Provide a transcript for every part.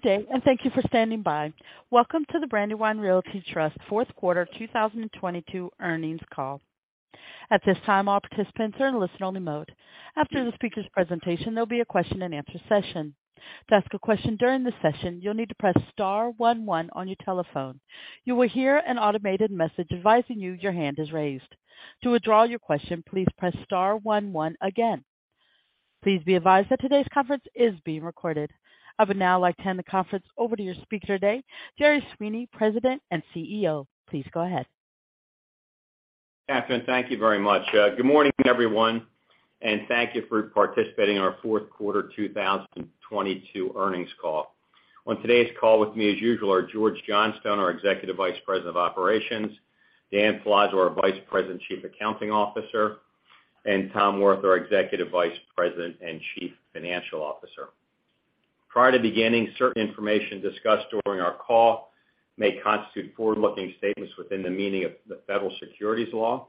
Good day. Thank you for standing by. Welcome to the Brandywine Realty Trust fourth quarter 2022 earnings call. At this time, all participants are in listen only mode. After the speaker's presentation, there'll be a question and answer session. To ask a question during this session, you'll need to press star one one on your telephone. You will hear an automated message advising you your hand is raised. To withdraw your question, please press star one one again. Please be advised that today's conference is being recorded. I would now like to hand the conference over to your speaker today, Gerard Sweeney, President and CEO. Please go ahead. Catherine, thank you very much. Good morning everyone, thank you for participating in our 4th quarter 2022 earnings call. On today's call with me as usual are George Johnstone, our Executive Vice President of Operations, Dan Palazzo, our Vice President, Chief Accounting Officer, and Tom Wirth, our Executive Vice President and Chief Financial Officer. Prior to beginning, certain information discussed during our call may constitute forward-looking statements within the meaning of the federal securities law.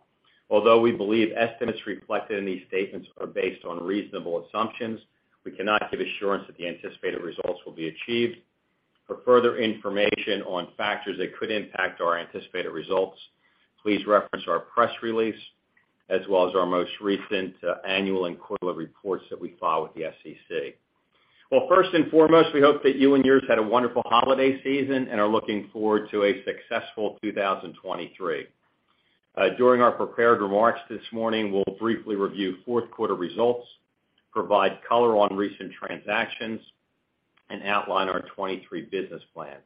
Although we believe estimates reflected in these statements are based on reasonable assumptions, we cannot give assurance that the anticipated results will be achieved. For further information on factors that could impact our anticipated results, please reference our press release as well as our most recent annual and quarterly reports that we file with the SEC. Well, first and foremost, we hope that you and yours had a wonderful holiday season and are looking forward to a successful 2023. During our prepared remarks this morning, we'll briefly review fourth quarter results, provide color on recent transactions, and outline our 2023 business plan.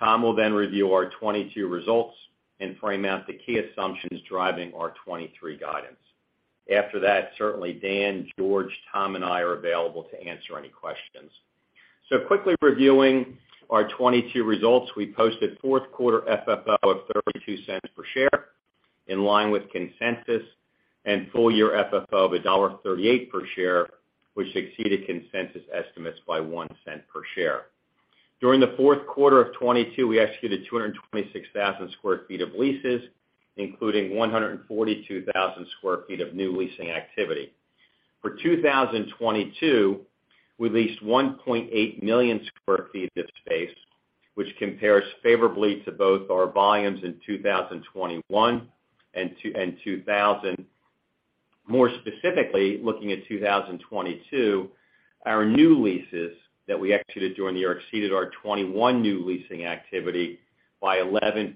Tom will then review our 2022 results and frame out the key assumptions driving our 2023 guidance. After that, certainly Dan, George, Tom, and I are available to answer any questions. Quickly reviewing our 2022 results, we posted fourth quarter FFO of $0.32 per share in line with consensus and full year FFO of $1.38 per share, which exceeded consensus estimates by $0.01 per share. During the fourth quarter of 2022, we executed 226,000 sq ft of leases, including 142,000 sq ft of new leasing activity. For 2022, we leased 1.8 million sq ft of space, which compares favorably to both our volumes in 2021 and 2000. More specifically, looking at 2022, our new leases that we executed during the year exceeded our 2021 new leasing activity by 11%.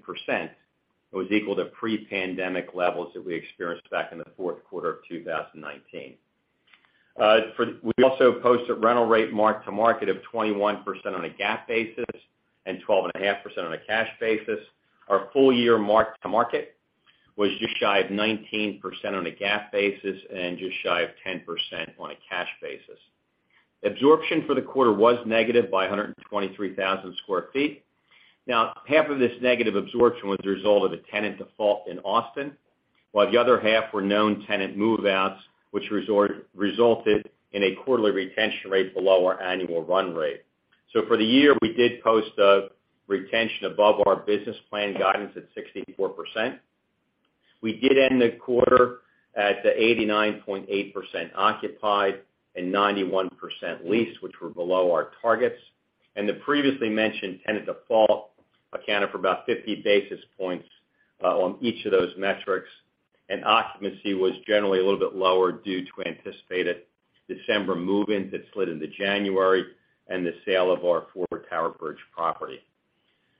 It was equal to pre-pandemic levels that we experienced back in the fourth quarter of 2019. We also posted rental rate mark-to-market of 21% on a GAAP basis and 12.5% on a cash basis. Our full year mark-to-market was just shy of 19% on a GAAP basis and just shy of 10% on a cash basis. Absorption for the quarter was negative by 123,000 sq ft. Half of this negative absorption was a result of a tenant default in Austin, while the other half were known tenant move-outs, which resulted in a quarterly retention rate below our annual run rate. For the year, we did post a retention above our business plan guidance at 64%. We did end the quarter at the 89.8% occupied and 91% leased, which were below our targets. The previously mentioned tenant default accounted for about 50 basis points on each of those metrics, and occupancy was generally a little bit lower due to anticipated December move-in that slid into January and the sale of our former Tower Bridge property.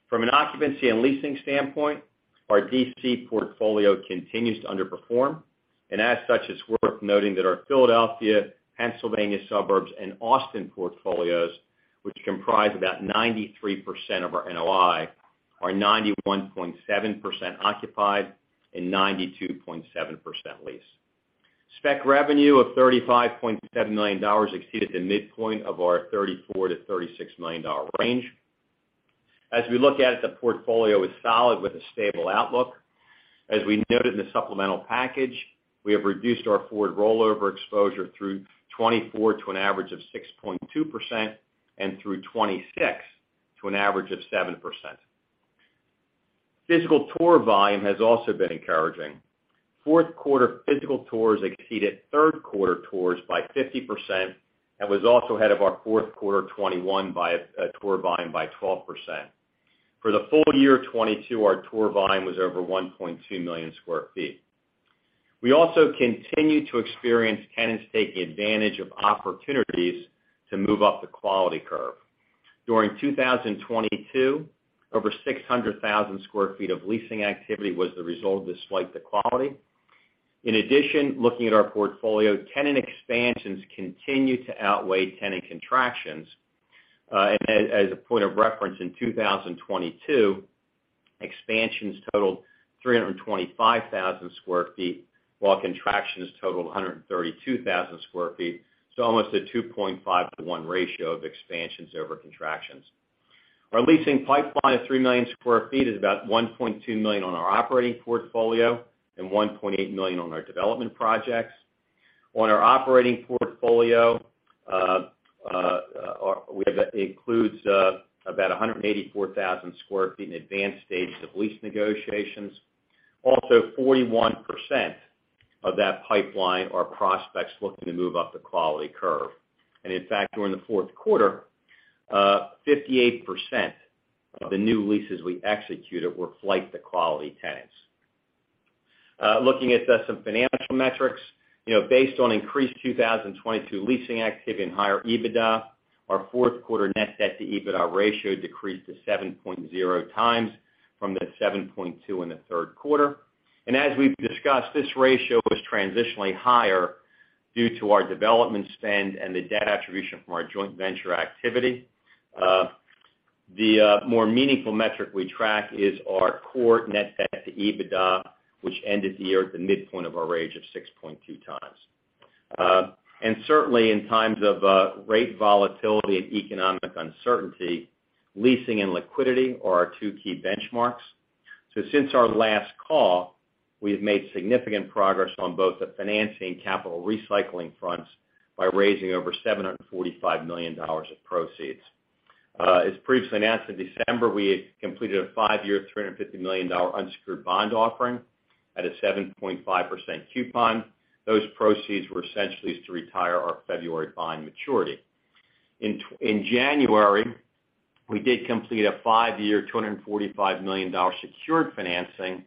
From an occupancy and leasing standpoint, our D.C. portfolio continues to underperform, and as such, it's worth noting that our Philadelphia, Pennsylvania suburbs, and Austin portfolios, which comprise about 93% of our NOI, are 91.7% occupied and 92.7% leased. Spec revenue of $35.7 million exceeded the midpoint of our $34 million-$36 million range. As we look at it, the portfolio is solid with a stable outlook. As we noted in the supplemental package, we have reduced our forward rollover exposure through 2024 to an average of 6.2% and through 2026 to an average of 7%. Physical tour volume has also been encouraging. Fourth quarter physical tours exceeded third quarter tours by 50% and was also ahead of our fourth quarter 2021 by tour volume by 12%. For the full year 2022, our tour volume was over 1.2 million sq ft. We also continue to experience tenants taking advantage of opportunities to move up the quality curve. During 2022, over 600,000 sq ft of leasing activity was the result of this flight to quality. In addition, looking at our portfolio, tenant expansions continue to outweigh tenant contractions. As a point of reference, in 2022, expansions totaled 325,000 sq ft, while contractions totaled 132,000 sq ft, so almost a 2.5 to 1 ratio of expansions over contractions. Our leasing pipeline of 3 million sq ft is about 1.2 million on our operating portfolio and 1.8 million on our development projects. On our operating portfolio, it includes about 184,000 sq ft in advanced stages of lease negotiations. Also, 41% of that pipeline are prospects looking to move up the quality curve. In fact, during the fourth quarter, 58% of the new leases we executed were flight to quality tenants. Looking at some financial metrics, you know, based on increased 2022 leasing activity and higher EBITDA, our fourth quarter net debt to EBITDA ratio decreased to 7.0x from the 7.2 in the third quarter. As we've discussed, this ratio was transitionally higher due to our development spend and the debt attribution from our joint venture activity. The more meaningful metric we track is our core net debt to EBITDA, which ended the year at the midpoint of our range of 6.2x. Certainly in times of rate volatility and economic uncertainty, leasing and liquidity are our two key benchmarks. Since our last call, we have made significant progress on both the financing and capital recycling fronts by raising over $745 million of proceeds. As previously announced in December, we had completed a five-year, $350 million unsecured bond offering at a 7.5% coupon. Those proceeds were essentially to retire our February bond maturity. In January, we did complete a five-year, $245 million secured financing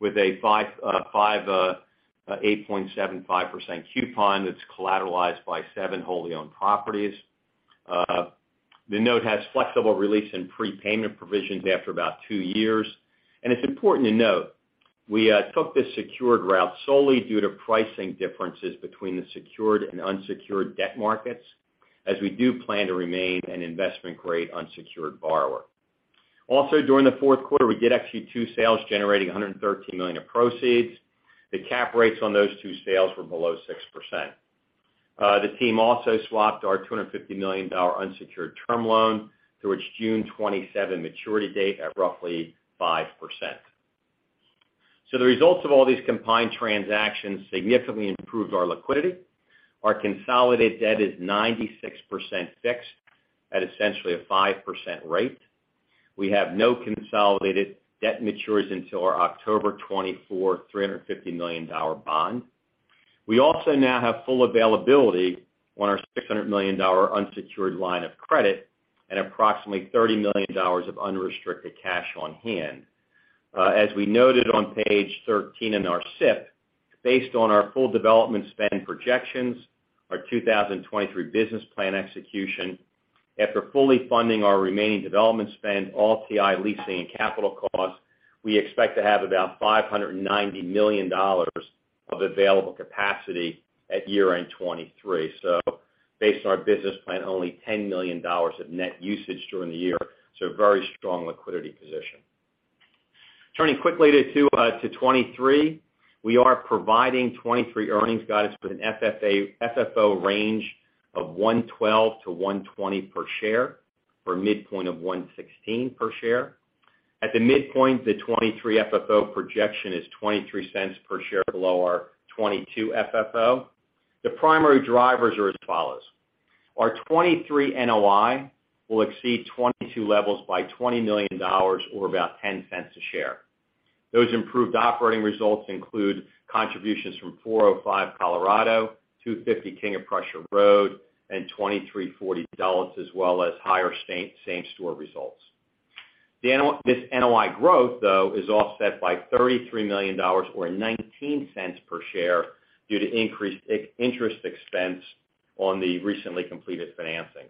with an 8.75% coupon that's collateralized by seven wholly owned properties. The note has flexible release and prepayment provisions after about two years. It's important to note, we took this secured route solely due to pricing differences between the secured and unsecured debt markets, as we do plan to remain an investment-grade unsecured borrower. During the fourth quarter, we did actually two sales generating $113 million of proceeds. The cap rates on those two sales were below 6%. The team also swapped our $250 million unsecured term loan to its June 27 maturity date at roughly 5%. The results of all these combined transactions significantly improved our liquidity. Our consolidated debt is 96% fixed at essentially a 5% rate. We have no consolidated debt matures until our October 2024, $350 million bond. We also now have full availability on our $600 million unsecured line of credit, and approximately $30 million of unrestricted cash on hand. As we noted on page 13 in our SIP, based on our full development spend projections, our 2023 business plan execution, after fully funding our remaining development spend, all TI leasing and capital costs, we expect to have about $590 million of available capacity at year-end 2023. Based on our business plan, only $10 million of net usage during the year. Very strong liquidity position. Turning quickly to 2023, we are providing 2023 earnings guidance with an FFO range of $1.12-$1.20 per share for midpoint of $1.16 per share. At the midpoint, the 2023 FFO projection is $0.23 per share below our 2022 FFO. The primary drivers are as follows: our 2023 NOI will exceed 2022 levels by $20 million or about $0.10 a share. Those improved operating results include contributions from 405 Colorado, 250 King of Prussia Road, and 2340 Dulles, as well as higher same store results. This NOI growth, though, is offset by $33 million or $0.19 per share due to increased interest expense on the recently completed financings.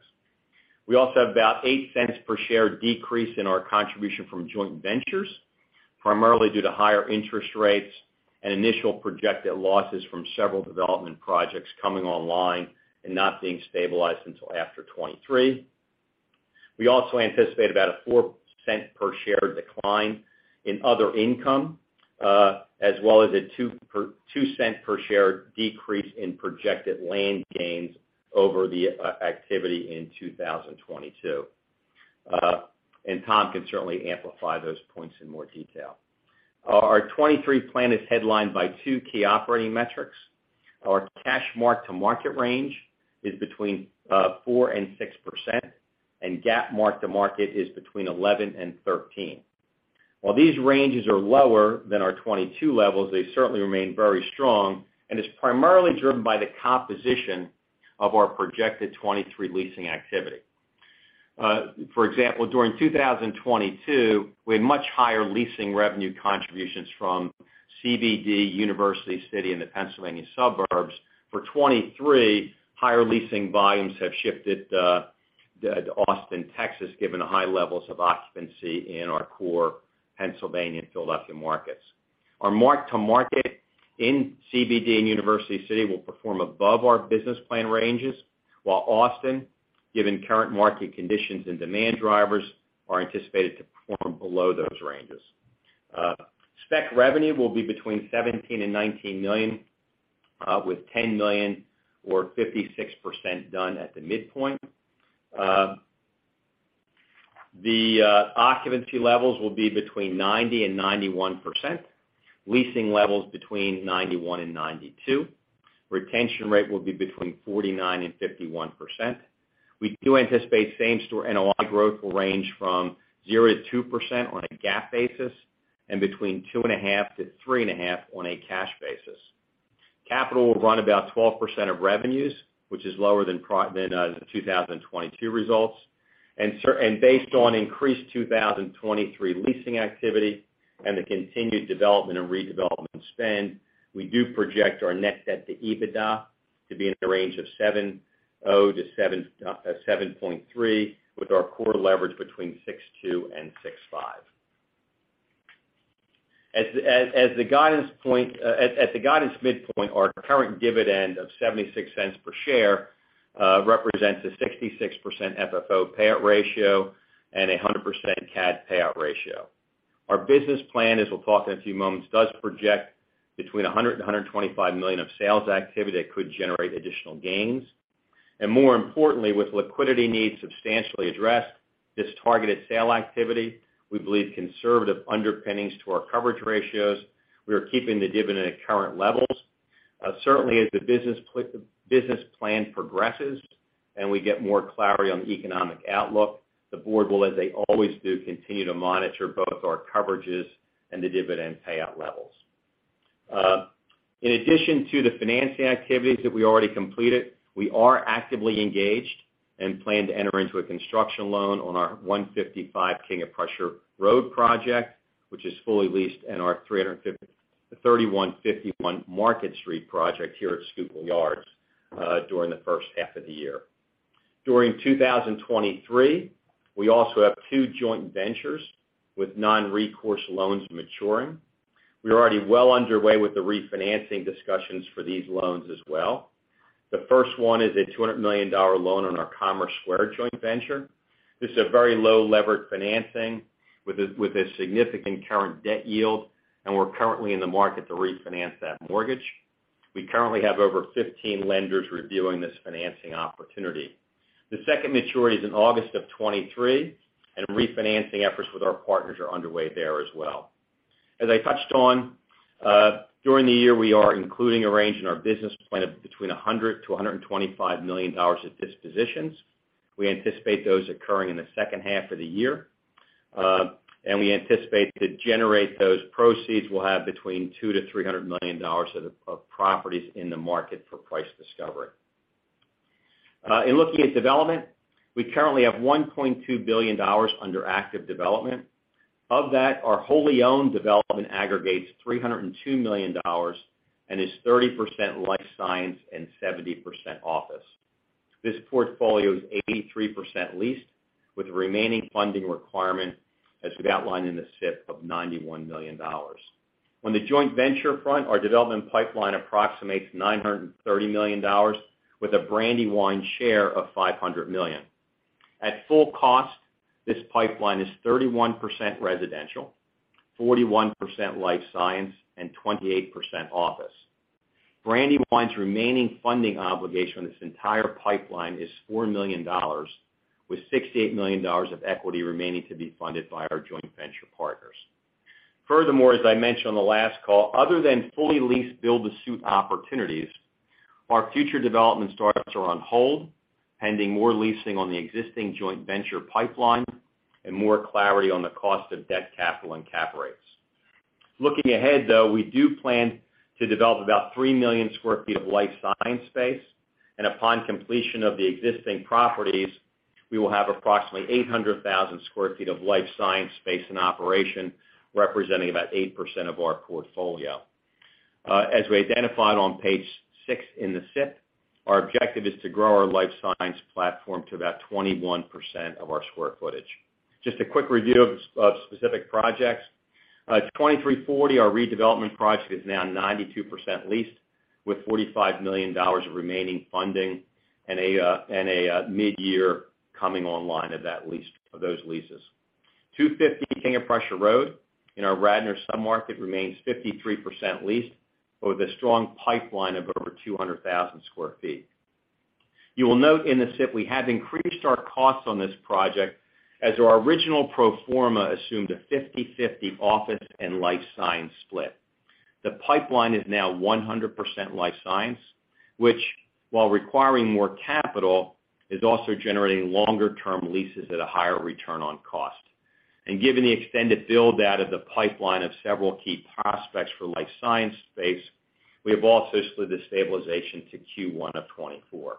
We also have about $0.08 per share decrease in our contribution from joint ventures, primarily due to higher interest rates and initial projected losses from several development projects coming online, and not being stabilized until after 2023. We also anticipate about a $0.04 per share decline in other income, as well as a $0.02 per share decrease in projected land gains over the activity in 2022. Tom can certainly amplify those points in more detail. Our 2023 plan is headlined by two key operating metrics. Our cash mark-to-market range is between 4% and 6%, and GAAP mark-to-market is between 11% and 13%. While these ranges are lower than our 2022 levels, they certainly remain very strong and is primarily driven by the composition of our projected 2023 leasing activity. For example, during 2022, we had much higher leasing revenue contributions from CBD, University City, and the Pennsylvania suburbs. For 2023, higher leasing volumes have shifted to Austin, Texas, given the high levels of occupancy in our core Pennsylvania and Philadelphia markets. Our mark-to-market in CBD and University City will perform above our business plan ranges, while Austin, given current market conditions and demand drivers, are anticipated to perform below those ranges. Spec revenue will be between $17 million and $19 million, with $10 million or 56% done at the midpoint. The occupancy levels will be between 90% and 91%, leasing levels between 91% and 92%. Retention rate will be between 49% and 51%. We do anticipate same-store NOI growth will range from 0%-2% on a GAAP basis, and between 2.5% and 3.5% on a cash basis. Capital will run about 12% of revenues, which is lower than than the 2022 results. Based on increased 2023 leasing activity and the continued development and redevelopment spend, we do project our net debt to EBITDA to be in the range of 7.0-7.3, with our core leverage between 6.2 and 6.5. As the guidance at the guidance midpoint, our current dividend of $0.76 per share, represents a 66% FFO payout ratio and a 100% CAD payout ratio. Our business plan, as we'll talk in a few moments, does project between $100 million and $125 million of sales activity that could generate additional gains. More importantly, with liquidity needs substantially addressed, this targeted sale activity, we believe, conservative underpinnings to our coverage ratios. We are keeping the dividend at current levels. Certainly, as the business plan progresses, we get more clarity on the economic outlook, the board will, as they always do, continue to monitor both our coverages and the dividend payout levels. In addition to the financing activities that we already completed, we are actively engaged and plan to enter into a construction loan on our 155 King of Prussia Road project, which is fully leased in our 3151 Market Street project here at Schuylkill Yards, during the first half of the year. During 2023, we also have 2 joint ventures with non-recourse loans maturing. We're already well underway with the refinancing discussions for these loans as well. The first one is a $200 million loan on our Commerce Square joint venture. This is a very low levered financing with a significant current debt yield. We're currently in the market to refinance that mortgage. We currently have over 15 lenders reviewing this financing opportunity. The second maturity is in August of 2023. Refinancing efforts with our partners are underway there as well. As I touched on, during the year, we are including a range in our business plan of between $100 million and $125 million of dispositions. We anticipate those occurring in the second half of the year. We anticipate to generate those proceeds, we'll have between $200 million and $300 million of properties in the market for price discovery. In looking at development, we currently have $1.2 billion under active development. Of that, our wholly owned development aggregates $302 million and is 30% life science and 70% office. This portfolio is 83% leased, with remaining funding requirement, as we've outlined in the SIP, of $91 million. On the joint venture front, our development pipeline approximates $930 million, with a Brandywine share of $500 million. At full cost, this pipeline is 31% residential, 41% life science, and 28% office. Brandywine's remaining funding obligation on this entire pipeline is $4 million, with $68 million of equity remaining to be funded by our joint venture partners. As I mentioned on the last call, other than fully leased build-to-suit opportunities, our future development starts are on hold, pending more leasing on the existing joint venture pipeline and more clarity on the cost of debt capital and cap rates. Looking ahead, though, we do plan to develop about 3 million sq ft of life science space. Upon completion of the existing properties, we will have approximately 800,000 sq ft of life science space in operation, representing about 8% of our portfolio. As we identified on page six in the SIP, our objective is to grow our life science platform to about 21% of our square footage. Just a quick review of specific projects. At 2340, our redevelopment project is now 92% leased with $45 million of remaining funding and a midyear coming online of those leases. 250 King of Prussia Road in our Radnor sub-market remains 53% leased with a strong pipeline of over 200,000 sq ft. You will note in the SIP we have increased our costs on this project as our original pro forma assumed a 50/50 office and life science split. The pipeline is now 100% life science, which, while requiring more capital, is also generating longer-term leases at a higher return on cost. Given the extended build out of the pipeline of several key prospects for life science space, we have also slid the stabilization to Q1 of 2024.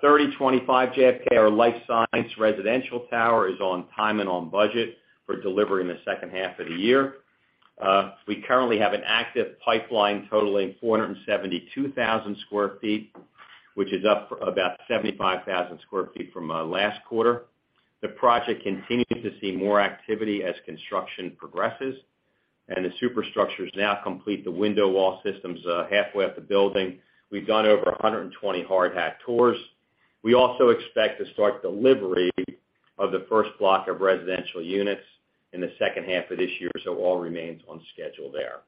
3025 JFK, our life science residential tower, is on time and on budget for delivery in the second half of the year. We currently have an active pipeline totaling 472,000 sq ft, which is up about 75,000 sq ft from last quarter. The project continues to see more activity as construction progresses, and the superstructure is now complete. The window wall system's halfway up the building. We've done over 120 hard hat tours. We also expect to start delivery of the first block of residential units in the second half of this year, so all remains on schedule there.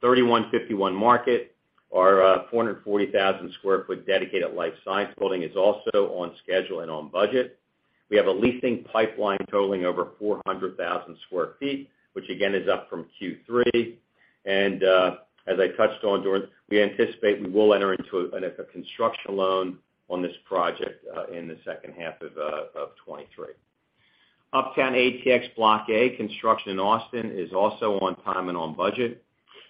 3151 Market, our 440,000 sq ft dedicated life science building is also on schedule and on budget. We have a leasing pipeline totaling over 400,000 sq ft, which again is up from Q3. As I touched on, we anticipate we will enter into a construction loan on this project in the second half of 2023. Uptown ATX Block A construction in Austin is also on time and on budget.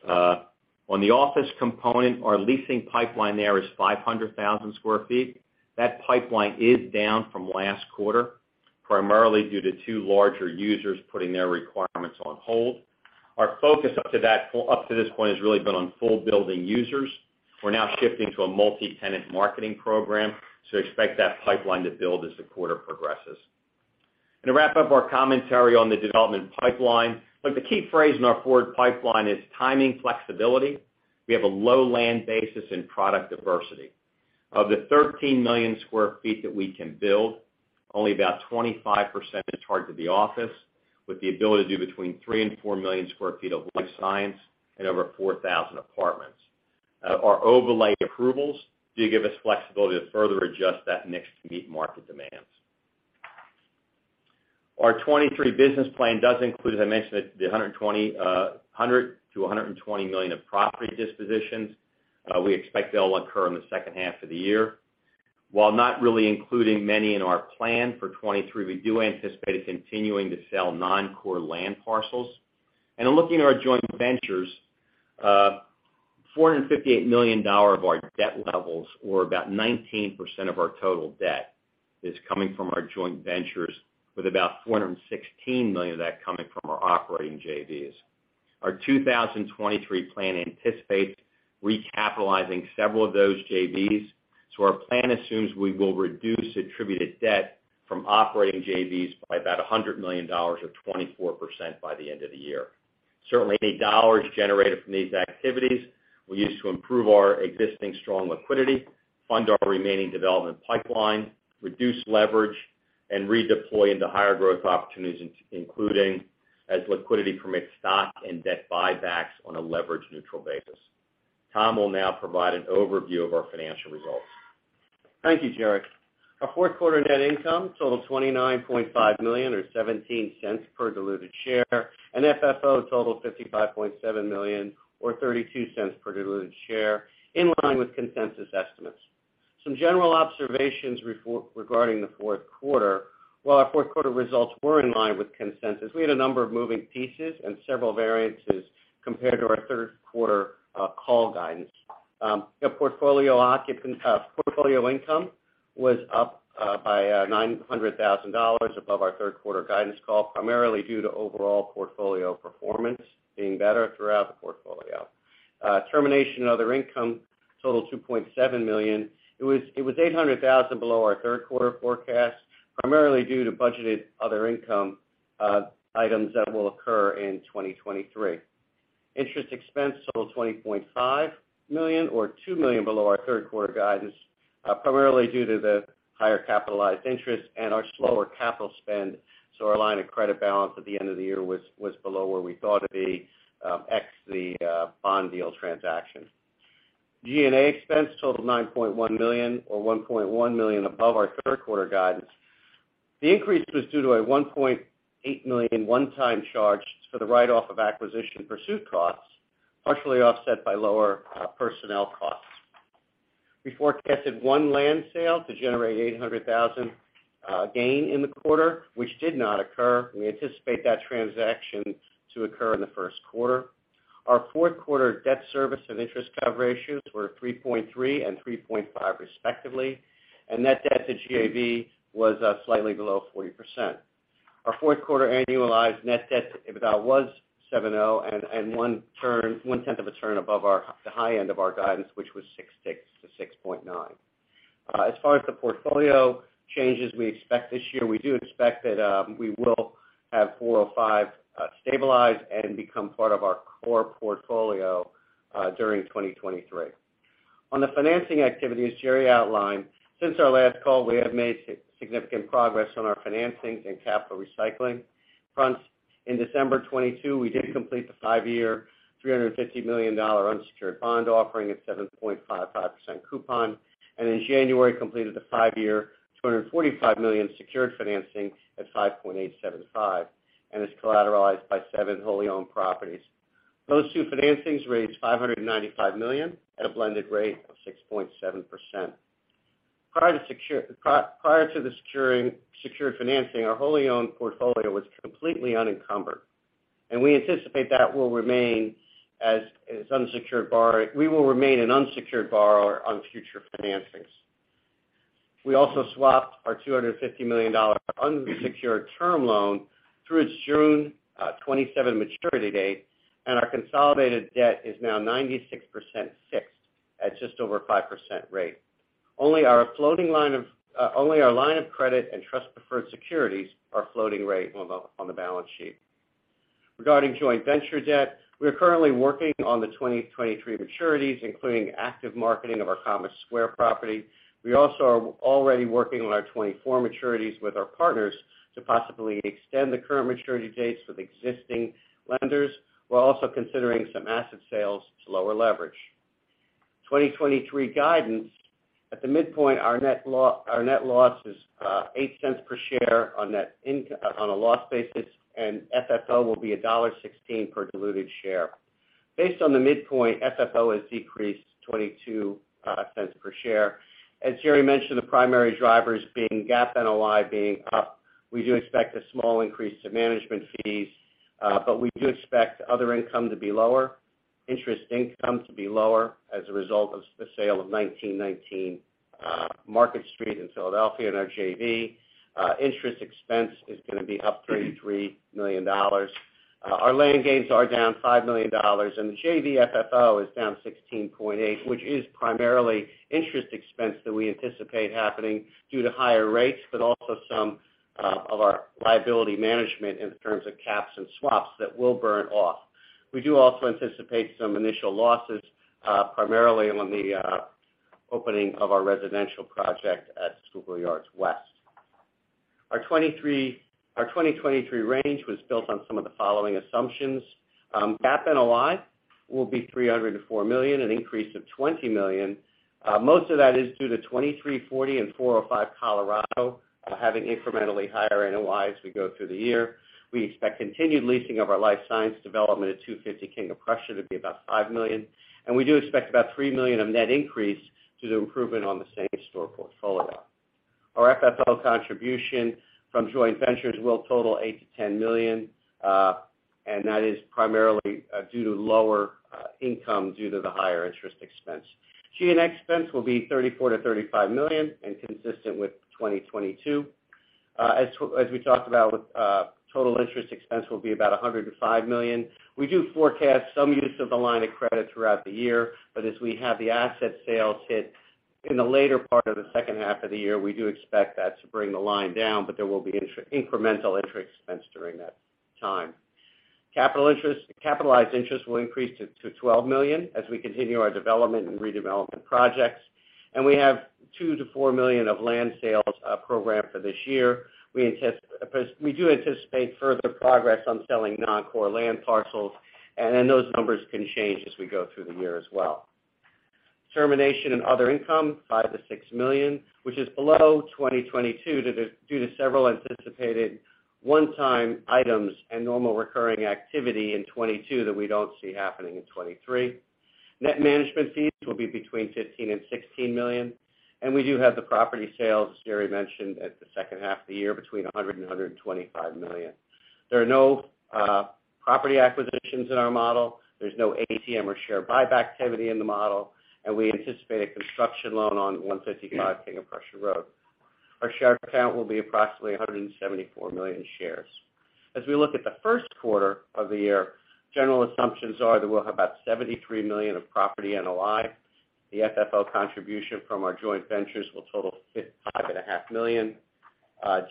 On the office component, our leasing pipeline there is 500,000 sq ft. That pipeline is down from last quarter, primarily due to two larger users putting their requirements on hold. Our focus up to that up to this point has really been on full building users. We're now shifting to a multi-tenant marketing program. Expect that pipeline to build as the quarter progresses. To wrap up our commentary on the development pipeline, like the key phrase in our forward pipeline is timing flexibility. We have a low land basis and product diversity. Of the 13 million sq ft that we can build, only about 25% is hard to the office, with the ability to do between 3 and 4 million sq ft of life science and over 4,000 apartments. Our overlay approvals do give us flexibility to further adjust that mix to meet market demands. Our 2023 business plan does include, as I mentioned, the 120, $100 million-$120 million of property dispositions. We expect they'll occur in the second half of the year. While not really including many in our plan for 2023, we do anticipate continuing to sell non-core land parcels. In looking at our joint ventures, $458 million of our debt levels or about 19% of our total debt is coming from our joint ventures, with about $416 million of that coming from our operating JVs. Our 2023 plan anticipates recapitalizing several of those JVs. Our plan assumes we will reduce attributed debt from operating JVs by about $100 million or 24% by the end of the year. Certainly, any dollars generated from these activities will be used to improve our existing strong liquidity, fund our remaining development pipeline, reduce leverage, and redeploy into higher growth opportunities, including, as liquidity permits, stock and debt buybacks on a leverage neutral basis. Tom will now provide an overview of our financial results. Thank you, Gerard. Our fourth quarter net income totaled $29.5 million or $0.17 per diluted share, and FFO totaled $55.7 million or $0.32 per diluted share, in line with consensus estimates. Some general observations regarding the fourth quarter. While our fourth quarter results were in line with consensus, we had a number of moving pieces and several variances compared to our third quarter call guidance. The portfolio income was up by $900,000 above our third quarter guidance call, primarily due to overall portfolio performance being better throughout the portfolio. Termination of other income totaled $2.7 million. It was $800,000 below our third quarter forecast, primarily due to budgeted other income items that will occur in 2023. Interest expense totaled $20.5 million, or $2 million below our third quarter guidance, primarily due to the higher capitalized interest and our slower capital spend, so our line of credit balance at the end of the year was below where we thought it'd be, ex the bond deal transaction. G&A expense totaled $9.1 million, or $1.1 million above our third quarter guidance. The increase was due to a $1.8 million one-time charge for the write-off of acquisition pursuit costs, partially offset by lower personnel costs. We forecasted one land sale to generate $800,000 gain in the quarter, which did not occur. We anticipate that transaction to occur in the first quarter. Our fourth quarter debt service and interest cover ratios were 3.3 and 3.5 respectively, and net debt to GAV was slightly below 40%. Our fourth quarter annualized net debt to EBITDA was 7.0, and one tenth of a turn above the high end of our guidance, which was 6.6-6.9. As far as the portfolio changes we expect this year, we do expect that we will have four or five stabilize, and become part of our core portfolio during 2023. On the financing activity, as Gerard outlined, since our last call, we have made significant progress on our financings and capital recycling fronts. In December 2022, we did complete the five-year $350 million unsecured bond offering at 7.55% coupon. In January, completed the five-year $245 million secured financing at 5.875%. It's collateralized by seven wholly owned properties. Those two financings raised $595 million at a blended rate of 6.7%. Prior to the secured financing, our wholly owned portfolio was completely unencumbered. We anticipate we will remain an unsecured borrower on future financings. We also swapped our $250 million unsecured term loan through its June 2027 maturity date. Our consolidated debt is now 96% fixed at just over a 5% rate. Only our line of credit and trust preferred securities are floating rate on the balance sheet. Regarding joint venture debt, we are currently working on the 2023 maturities, including active marketing of our Commerce Square property. We also are already working on our 2024 maturities with our partners to possibly extend the current maturity dates with existing lenders. We're also considering some asset sales to lower leverage. 2023 guidance. At the midpoint, our net loss is $0.08 per share on a loss basis, and FFO will be $1.16 per diluted share. Based on the midpoint, FFO has decreased $0.22 per share. As Gerard mentioned, the primary drivers being GAAP NOI being up. We do expect a small increase to management fees, but we do expect other income to be lower, interest income to be lower as a result of the sale of 1919 Market Street in Philadelphia in our JV. Interest expense is gonna be up $33 million. Our land gains are down $5 million. The JV FFO is down $16.8, which is primarily interest expense that we anticipate happening due to higher rates, but also some of our liability management in terms of caps and swaps that will burn off. We do also anticipate some initial losses, primarily on the opening of our residential project at Schuylkill Yards West. Our 2023 range was built on some of the following assumptions. GAAP NOI will be $304 million, an increase of $20 million. Most of that is due to 2340 and 405 Colorado having incrementally higher NOIs as we go through the year. We expect continued leasing of our life science development at 250 King of Prussia to be about $5 million. We do expect about $3 million of net increase to the improvement on the same-store portfolio. Our FFO contribution from joint ventures will total $8 million-$10 million, and that is primarily due to lower income due to the higher interest expense. G&A expense will be $34 million-$35 million and consistent with 2022. As we talked about with total interest expense will be about $105 million. We do forecast some use of the line of credit throughout the year. As we have the asset sales hit in the later part of the second half of the year, we do expect that to bring the line down. There will be inter-incremental interest expense during that time. Capitalized interest will increase to $12 million as we continue our development and redevelopment projects. We have $2 million-$4 million of land sales programmed for this year. We do anticipate further progress on selling non-core land parcels. Those numbers can change as we go through the year as well. Termination and other income, $5 million-$6 million, which is below 2022 due to several anticipated one-time items and normal recurring activity in 2022 that we don't see happening in 2023. Net management fees will be between $15 million and $16 million, and we do have the property sales, as Gerard mentioned, at the second half of the year between $100 million and $125 million. There are no property acquisitions in our model. There's no ATM or share buyback activity in the model, and we anticipate a construction loan on 155 King of Prussia Road. Our share count will be approximately 174 million shares. As we look at the first quarter of the year, general assumptions are that we'll have about $73 million of property NOI. The FFO contribution from our joint ventures will total $5.5 million.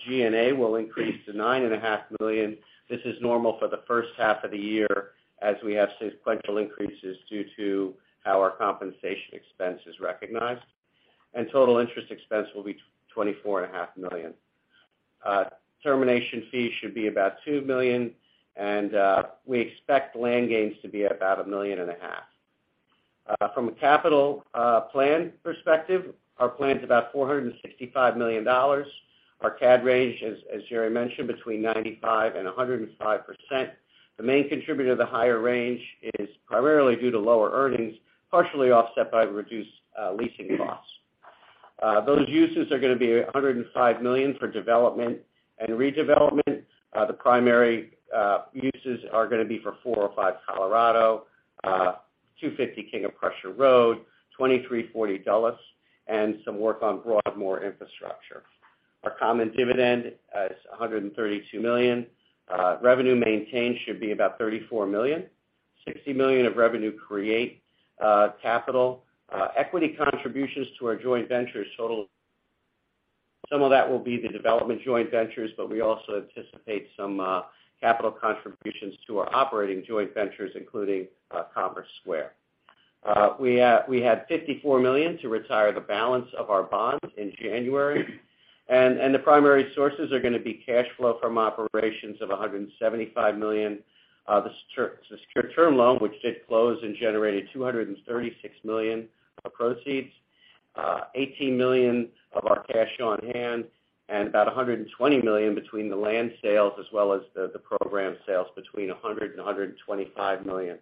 G&A will increase to $9.5 million. This is normal for the first half of the year as we have sequential increases due to how our compensation expense is recognized. Total interest expense will be $24.5 million. Termination fees should be about $2 million, and we expect land gains to be about $1.5 million. From a capital plan perspective, our plan's about $465 million. Our CAD range is, as Gerard mentioned, between 95% and 105%. The main contributor to the higher range is primarily due to lower earnings, partially offset by reduced leasing costs. Those uses are gonna be $105 million for development and redevelopment. The primary uses are gonna be for 405 Colorado, 250 King of Prussia Road, 2340 Dulles, and some work on Broadmoor infrastructure. Our common dividend is $132 million. Revenue maintained should be about $34 million. $60 million of revenue create capital. Equity contributions to our joint ventures total. Some of that will be the development joint ventures, but we also anticipate some capital contributions to our operating joint ventures, including Commerce Square. We had $54 million to retire the balance of our bond in January. The primary sources are gonna be cash flow from operations of $175 million. The secure term loan, which did close and generated $236 million of proceeds, $18 million of our cash on hand, and about $120 million between the land sales as well as the program sales between $100 million and $125 million.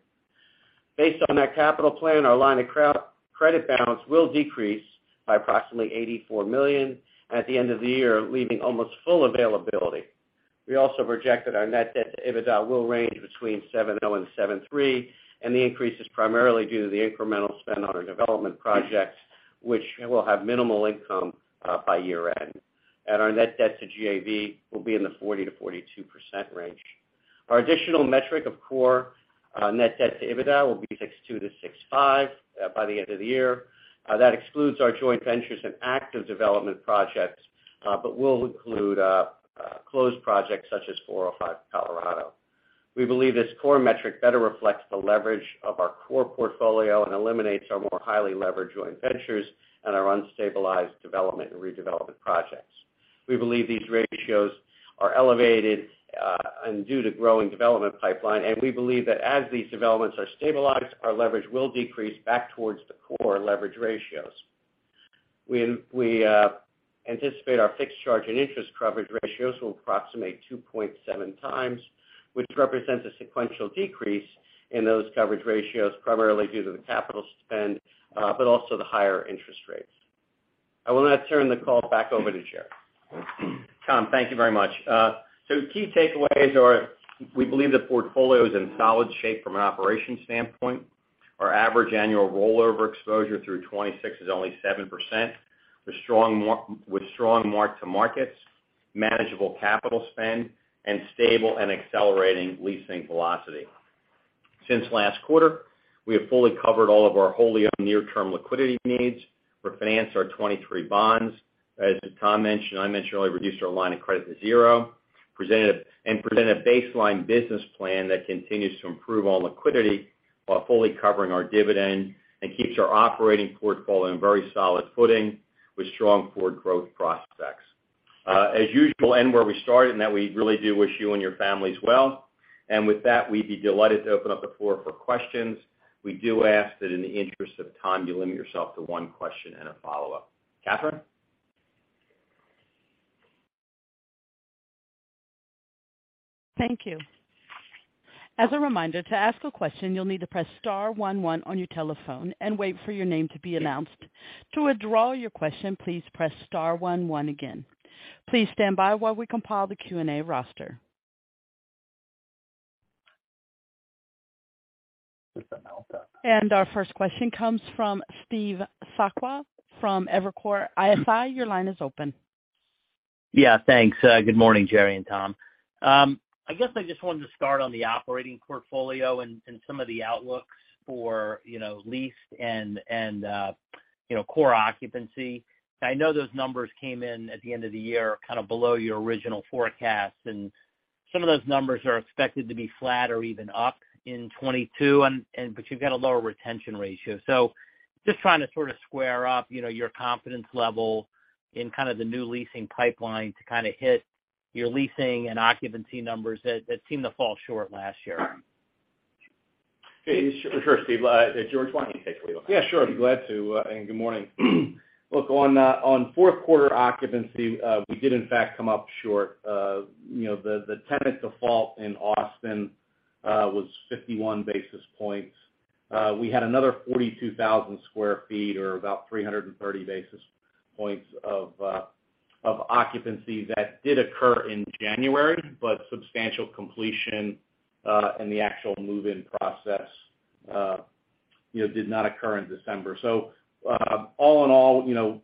Based on that capital plan, our line of credit balance will decrease by approximately $84 million at the end of the year, leaving almost full availability. We also projected our net debt to EBITDA will range between 7.0 and 7.3, the increase is primarily due to the incremental spend on our development projects, which will have minimal income by year-end. Our net debt to GAV will be in the 40%-42% range. Our additional metric of core net debt to EBITDA will be 6.2-6.5 by the end of the year. That excludes our joint ventures and active development projects, but will include closed projects such as 405 Colorado. We believe this core metric better reflects the leverage of our core portfolio, and eliminates our more highly leveraged joint ventures and our unstabilized development and redevelopment projects. We believe these ratios are elevated, and due to growing development pipeline. We believe that as these developments are stabilized, our leverage will decrease back towards the core leverage ratios. We anticipate our fixed charge and interest coverage ratios will approximate 2.7x, which represents a sequential decrease in those coverage ratios, primarily due to the capital spend, but also the higher interest rates. I will now turn the call back over to Gerard. Tom, thank you very much. Key takeaways are we believe the portfolio is in solid shape from an operations standpoint. Our average annual rollover exposure through 2026 is only 7%, with strong mark to markets, manageable capital spend, and stable and accelerating leasing velocity. Since last quarter, we have fully covered all of our wholly owned near-term liquidity needs. Refinanced our 2023 bonds. As Tom mentioned and I mentioned earlier, reduced our line of credit to zero. Presented a baseline business plan that continues to improve on liquidity while fully covering our dividend, and keeps our operating portfolio in very solid footing with strong forward growth prospects. As usual, and where we started, and that we really do wish you and your families well. With that, we'd be delighted to open up the floor for questions. We do ask that in the interest of time, you limit yourself to one question and a follow-up. Catherine? Thank you. As a reminder, to ask a question, you'll need to press star one one on your telephone and wait for your name to be announced. To withdraw your question, please press star one one again. Please stand by while we compile the Q&A roster. Our first question comes from Steve Sakwa from Evercore ISI. Your line is open. Yeah, thanks. Good morning, Gerard and Tom. I guess I just wanted to start on the operating portfolio and some of the outlooks for, you know, leased and, you know, core occupancy. I know those numbers came in at the end of the year, kind of below your original forecast, and some of those numbers are expected to be flat or even up in 22, but you've got a lower retention ratio. Just trying to sort of square up, you know, your confidence level in kind of the new leasing pipeline to kind of hit your leasing and occupancy numbers that seemed to fall short last year? Sure, Steve. George, why don't you take that one? Sure. Glad to, good morning. Look, on fourth quarter occupancy, we did in fact come up short. You know, the tenant default in Austin was 51 basis points. We had another 42,000 sq ft or about 330 basis points of occupancy that did occur in January, substantial completion and the actual move-in process, you know, did not occur in December. All in all, you know,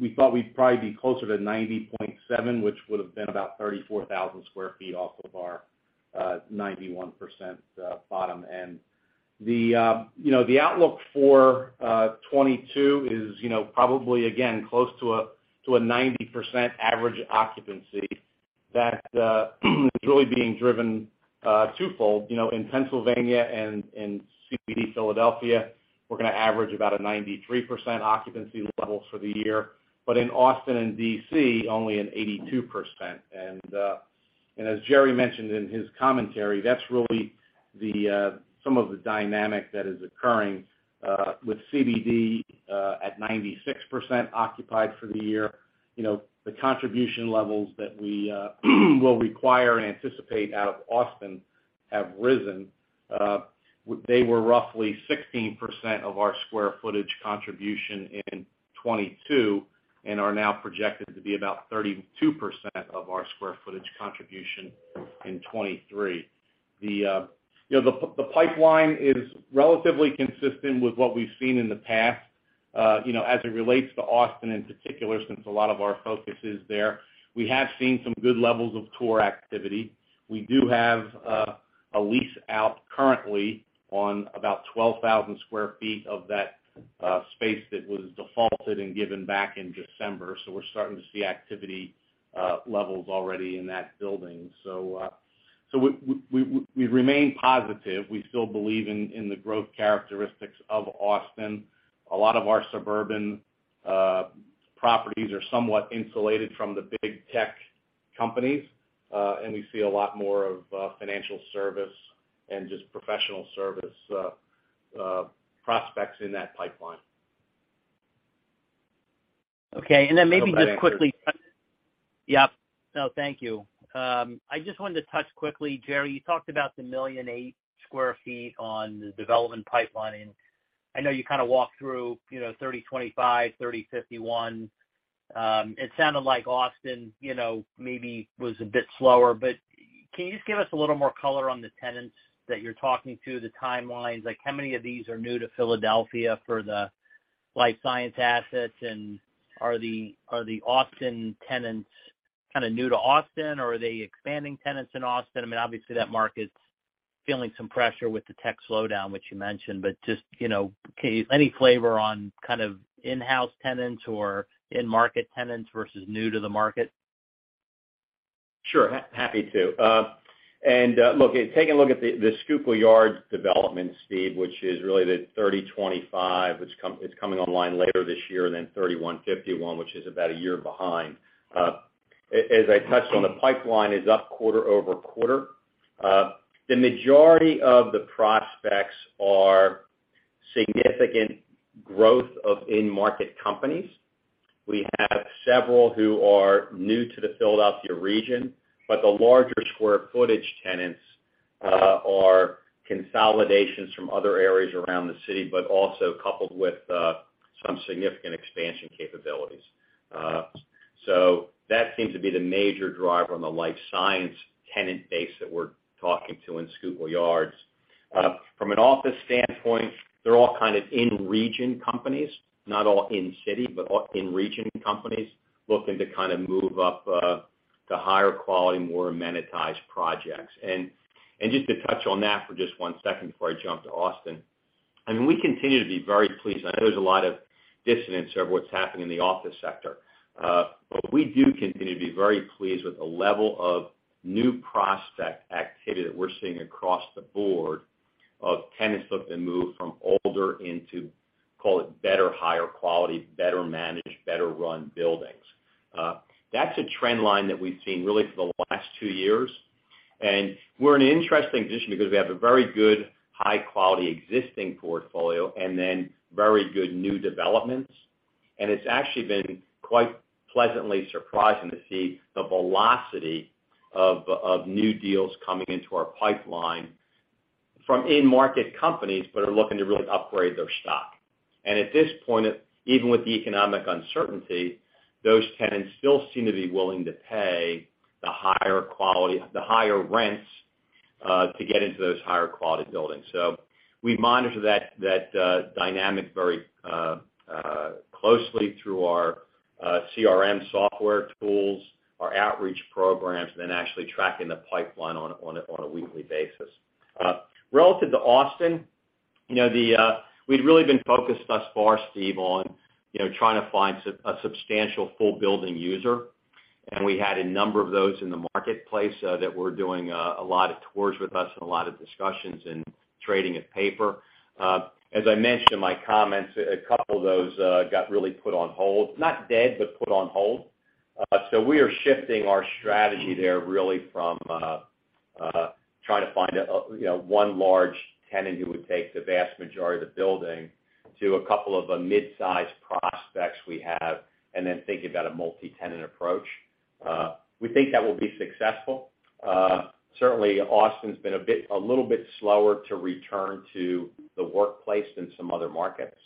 we thought we'd probably be closer to 90.7, which would've been about 34,000 sq ft off of our 91% bottom end. The, you know, the outlook for 2022 is, you know, probably again close to a 90% average occupancy that is really being driven twofold. You know, in Pennsylvania and in CBD Philadelphia, we're gonna average about a 93% occupancy level for the year. But in Austin and D.C., only an 82%. As Gerard mentioned in his commentary, that's really the some of the dynamic that is occurring with CBD at 96% occupied for the year. You know, the contribution levels that we will require and anticipate out of Austin have risen. They were roughly 16% of our square footage contribution in 2022, and are now projected to be about 32% of our square footage contribution in 2023. The, you know, the pipeline is relatively consistent with what we've seen in the past. You know, as it relates to Austin in particular, since a lot of our focus is there, we have seen some good levels of tour activity. We do have a lease out currently on about 12,000 sq ft of that space that was defaulted and given back in December, so we're starting to see activity levels already in that building. We remain positive. We still believe in the growth characteristics of Austin. A lot of our suburban properties are somewhat insulated from the big tech companies, and we see a lot more of financial service and just professional service prospects in that pipeline. Okay. maybe just quickly. Go ahead. Yep. No, thank you. I just wanted to touch quickly, Gerard, you talked about the 1.8 million sq ft on the development pipeline. I know you kind of walked through, you know, 3025, 3051. It sounded like Austin, you know, maybe was a bit slower, but can you just give us a little more color on the tenants that you're talking to, the timelines? Like, how many of these are new to Philadelphia for the life science assets, and are the, are the Austin tenants kind of new to Austin, or are they expanding tenants in Austin? I mean, obviously, that market's feeling some pressure with the tech slowdown, which you mentioned, but just, you know, can you any flavor on kind of in-house tenants or in-market tenants versus new to the market? Sure. Happy to. Look, taking a look at the Schuylkill Yards development speed, which is really the 3025, which it's coming online later this year, then 3151, which is about one year behind. As I touched on, the pipeline is up quarter-over-quarter. The majority of the prospects are significant growth of in-market companies. We have several who are new to the Philadelphia region, but the larger square footage tenants are consolidations from other areas around the city, but also coupled with some significant expansion capabilities. That seems to be the major driver on the life science tenant base that we're talking to in Schuylkill Yards. From an office standpoint, they're all kind of in-region companies, not all in city, but all in-region companies looking to kind of move up to higher quality, more amenitized projects. Just to touch on that for just one second before I jump to Austin, I mean, we continue to be very pleased. I know there's a lot of dissonance over what's happening in the office sector. But we do continue to be very pleased with the level of new prospect activity that we're seeing across the board of tenants looking to move from older into, call it better, higher quality, better managed, better run buildings. That's a trend line that we've seen really for the last two years. We're in an interesting position because we have a very good, high quality existing portfolio and then very good new developments. It's actually been quite pleasantly surprising to see the velocity of new deals coming into our pipeline from in-market companies, but are looking to really upgrade their stock. At this point, even with the economic uncertainty, those tenants still seem to be willing to pay the higher quality, the higher rents, to get into those higher quality buildings. We monitor that dynamic very closely through our CRM software tools, our outreach programs, and then actually tracking the pipeline on a weekly basis. Relative to Austin, you know, we'd really been focused thus far, Steve, on, you know, trying to find a substantial full building user. We had a number of those in the marketplace that were doing a lot of tours with us and a lot of discussions and trading of paper. As I mentioned in my comments, a couple of those got really put on hold, not dead, but put on hold. We are shifting our strategy there really from trying to find a, you know, one large tenant who would take the vast majority of the building to a couple of mid-size prospects we have, and then thinking about a multi-tenant approach. We think that will be successful. Certainly Austin's been a little bit slower to return to the workplace than some other markets.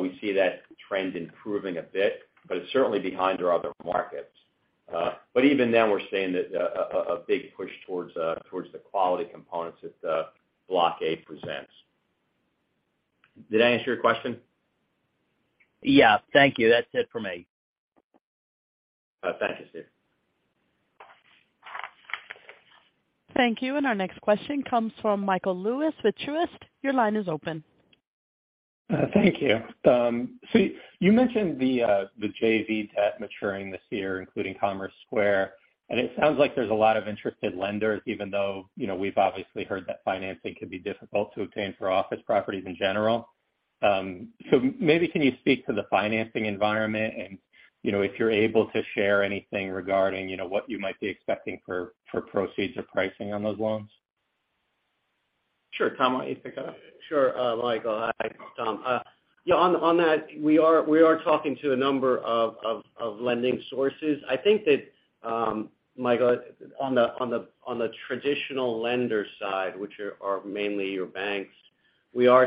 We see that trend improving a bit, but it's certainly behind our other markets. Even then, we're seeing that a big push towards the quality components that Block A presents. Did that answer your question? Thank you. That's it for me. Thank you, Steve. Thank you. Our next question comes from Michael Lewis with Truist. Your line is open. Thank you. Steve, you mentioned the JV debt maturing this year, including Commerce Square. It sounds like there's a lot of interested lenders, even though, you know, we've obviously heard that financing can be difficult to obtain for office properties in general. So maybe can you speak to the financing environment and, you know, if you're able to share anything regarding, you know, what you might be expecting for proceeds or pricing on those loans? Sure. Tom, want you to take that? Sure, Michael. Hi, Tom. Yeah, on that, we are talking to a number of lending sources. I think that, Michael, on the traditional lender side, which are mainly your banks, there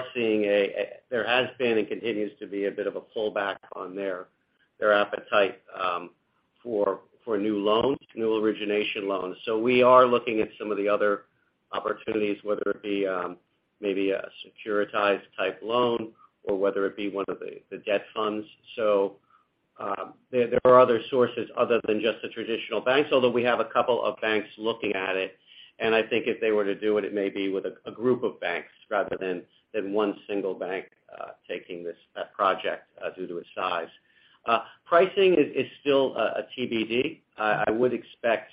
has been and continues to be a bit of a pullback on their appetite for new loans, new origination loans. We are looking at some of the other opportunities, whether it be maybe a securitized type loan or whether it be one of the debt funds. There are other sources other than just the traditional banks, although we have a couple of banks looking at it. I think if they were to do it may be with a group of banks rather than one single bank taking this project due to its size. Pricing is still a TBD. I would expect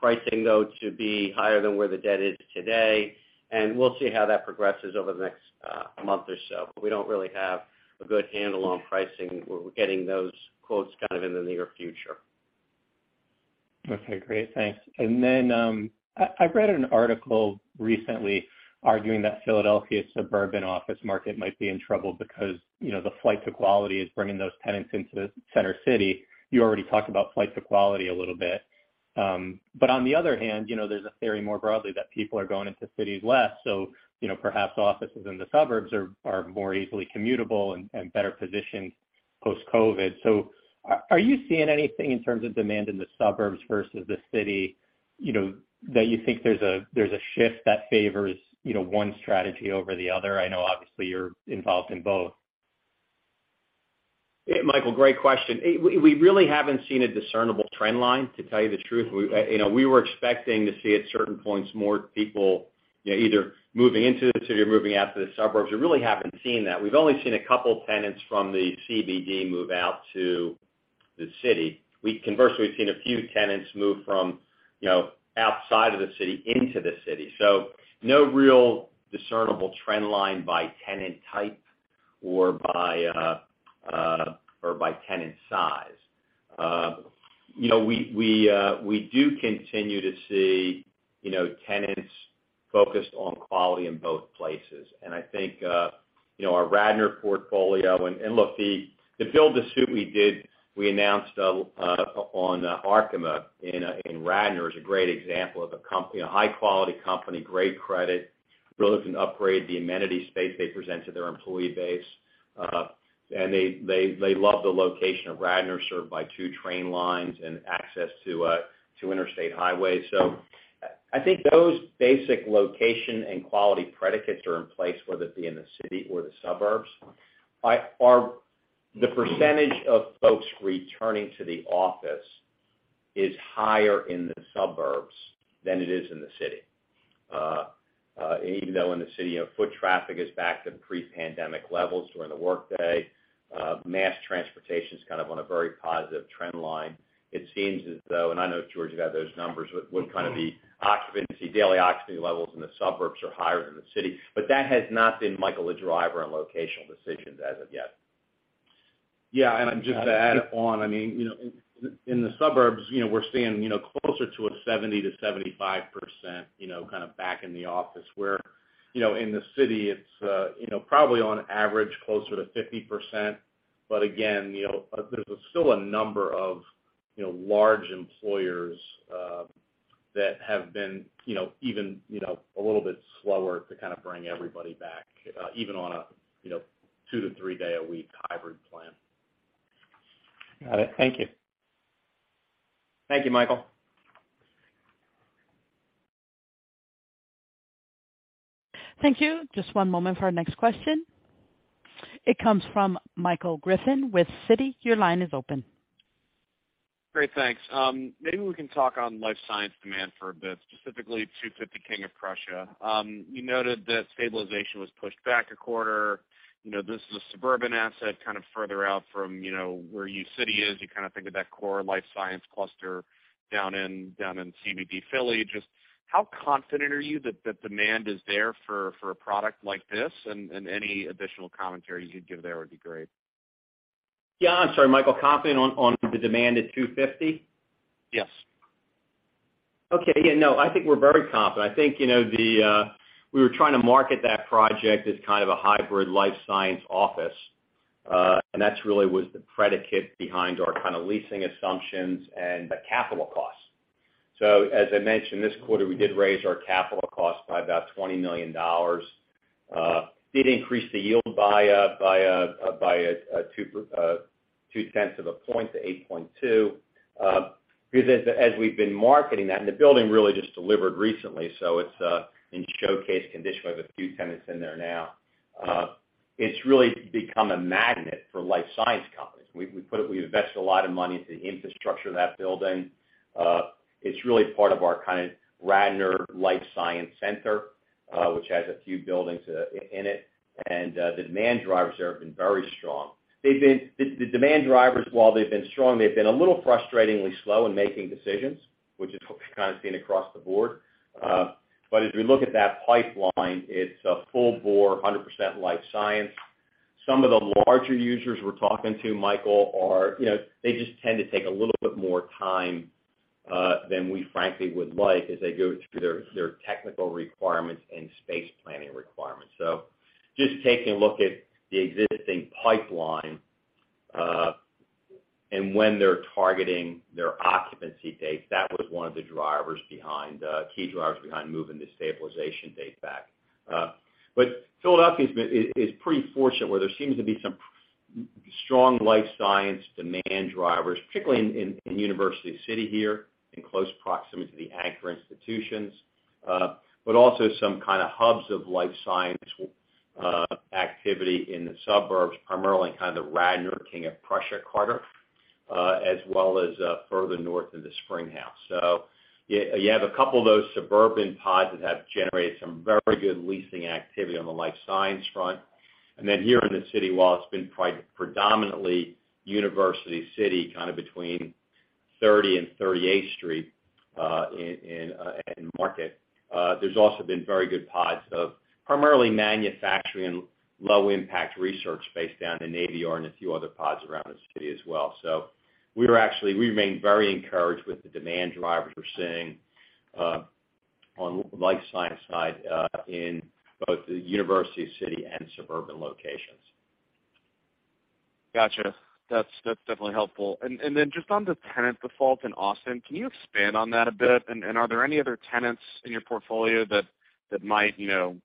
pricing though to be higher than where the debt is today, and we'll see how that progresses over the next month or so. We don't really have a good handle on pricing. We're getting those quotes kind of in the near future. Okay, great. Thanks. I read an article recently arguing that Philadelphia suburban office market might be in trouble because, you know, the flight to quality is bringing those tenants into the Center City. You already talked about flight to quality a little bit. On the other hand, you know, there's a theory more broadly that people are going into cities less. You know, perhaps offices in the suburbs are more easily commutable and better positioned post-COVID. Are, are you seeing anything in terms of demand in the suburbs versus the city, you know, that you think there's a, there's a shift that favors, you know, one strategy over the other? Obviously you're involved in both. Yeah, Michael, great question. We really haven't seen a discernible trend line, to tell you the truth. We, you know, we were expecting to see at certain points more people. You know, either moving into the city or moving out to the suburbs. We really haven't seen that. We've only seen a couple tenants from the CBD move out to the city. Conversely, we've seen a few tenants move from, you know, outside of the city into the city. No real discernible trend line by tenant type or by tenant size. You know, we do continue to see, you know, tenants focused on quality in both places. I think, you know, our Radnor portfolio and look, the build to suit we did, we announced on Arkema in Radnor is a great example of a company, a high-quality company, great credit, really looking to upgrade the amenity space they present to their employee base. They love the location of Radnor, served by two train lines and access to interstate highways. I think those basic location and quality predicates are in place, whether it be in the city or the suburbs. The percentage of folks returning to the office is higher in the suburbs than it is in the city. Even though in the city, you know, foot traffic is back to pre-pandemic levels during the workday, mass transportation is kind of on a very positive trend line. It seems as though, and I know George, you have those numbers, but what kind of the occupancy, daily occupancy levels in the suburbs are higher than the city. That has not been, Michael, a driver on locational decisions as of yet. Yeah. Just to add on, I mean, you know, in the suburbs, you know, we're seeing, you know, closer to a 70%-75%, you know, kind of back in the office. In the city it's, you know, probably on average closer to 50%. Again, you know, there's still a number of, you know, large employers, that have been, you know, even, you know, a little bit slower to kind of bring everybody back, even on a, you know, two to three day a week hybrid plan. Got it. Thank you. Thank you, Michael. Thank you. Just one moment for our next question. It comes from Michael Griffin with Citi. Your line is open. Great, thanks. Maybe we can talk on life science demand for a bit, specifically 250 King of Prussia. You noted that stabilization was pushed back a quarter. You know, this is a suburban asset, kind of further out from, you know, where U City is. You kind of think of that core life science cluster down in, down in CBB, Philly. Just how confident are you that the demand is there for a product like this? Any additional commentary you'd give there would be great. Yeah. I'm sorry, Michael. Confident on the demand at 250? Yes. Yeah, no, I think we're very confident. I think, you know, the, we were trying to market that project as kind of a hybrid life science office. That's really was the predicate behind our kind of leasing assumptions and the capital costs. As I mentioned this quarter, we did raise our capital costs by about $20 million. Did increase the yield by 0.2 points to 8.2%. Because as we've been marketing that, and the building really just delivered recently, so it's in showcase condition. We have a few tenants in there now. It's really become a magnet for life science companies. We invested a lot of money into the infrastructure of that building. It's really part of our kind of Radnor Life Science Center, which has a few buildings in it. The demand drivers there have been very strong. The demand drivers, while they've been strong, they've been a little frustratingly slow in making decisions, which is what we're kind of seeing across the board. As we look at that pipeline, it's a full bore, 100% life science. Some of the larger users we're talking to, Michael, are, you know, they just tend to take a little bit more time than we frankly would like as they go through their technical requirements and space planning requirements. Just taking a look at the existing pipeline, and when they're targeting their occupancy dates, that was one of the drivers behind, key drivers behind moving the stabilization date back. Philadelphia has been, is pretty fortunate where there seems to be some strong life science demand drivers, particularly in University City here, in close proximity to the anchor institutions. Also some kind of hubs of life science activity in the suburbs, primarily kind of the Radnor King of Prussia corridor, as well as further north into Spring House. You have a couple of those suburban pods that have generated some very good leasing activity on the life science front. Here in the city, while it's been predominantly University City, kind of between 30 and 38th Street, in Market, there's also been very good pods of primarily manufacturing and low impact research space down in Navy Yard and a few other pods around the city as well. Actually, we remain very encouraged with the demand drivers we’re seeing, on life science side, in both the University City and suburban locations. Gotcha. That's definitely helpful. Then just on the tenant default in Austin, can you expand on that a bit? Are there any other tenants in your portfolio that might, you know,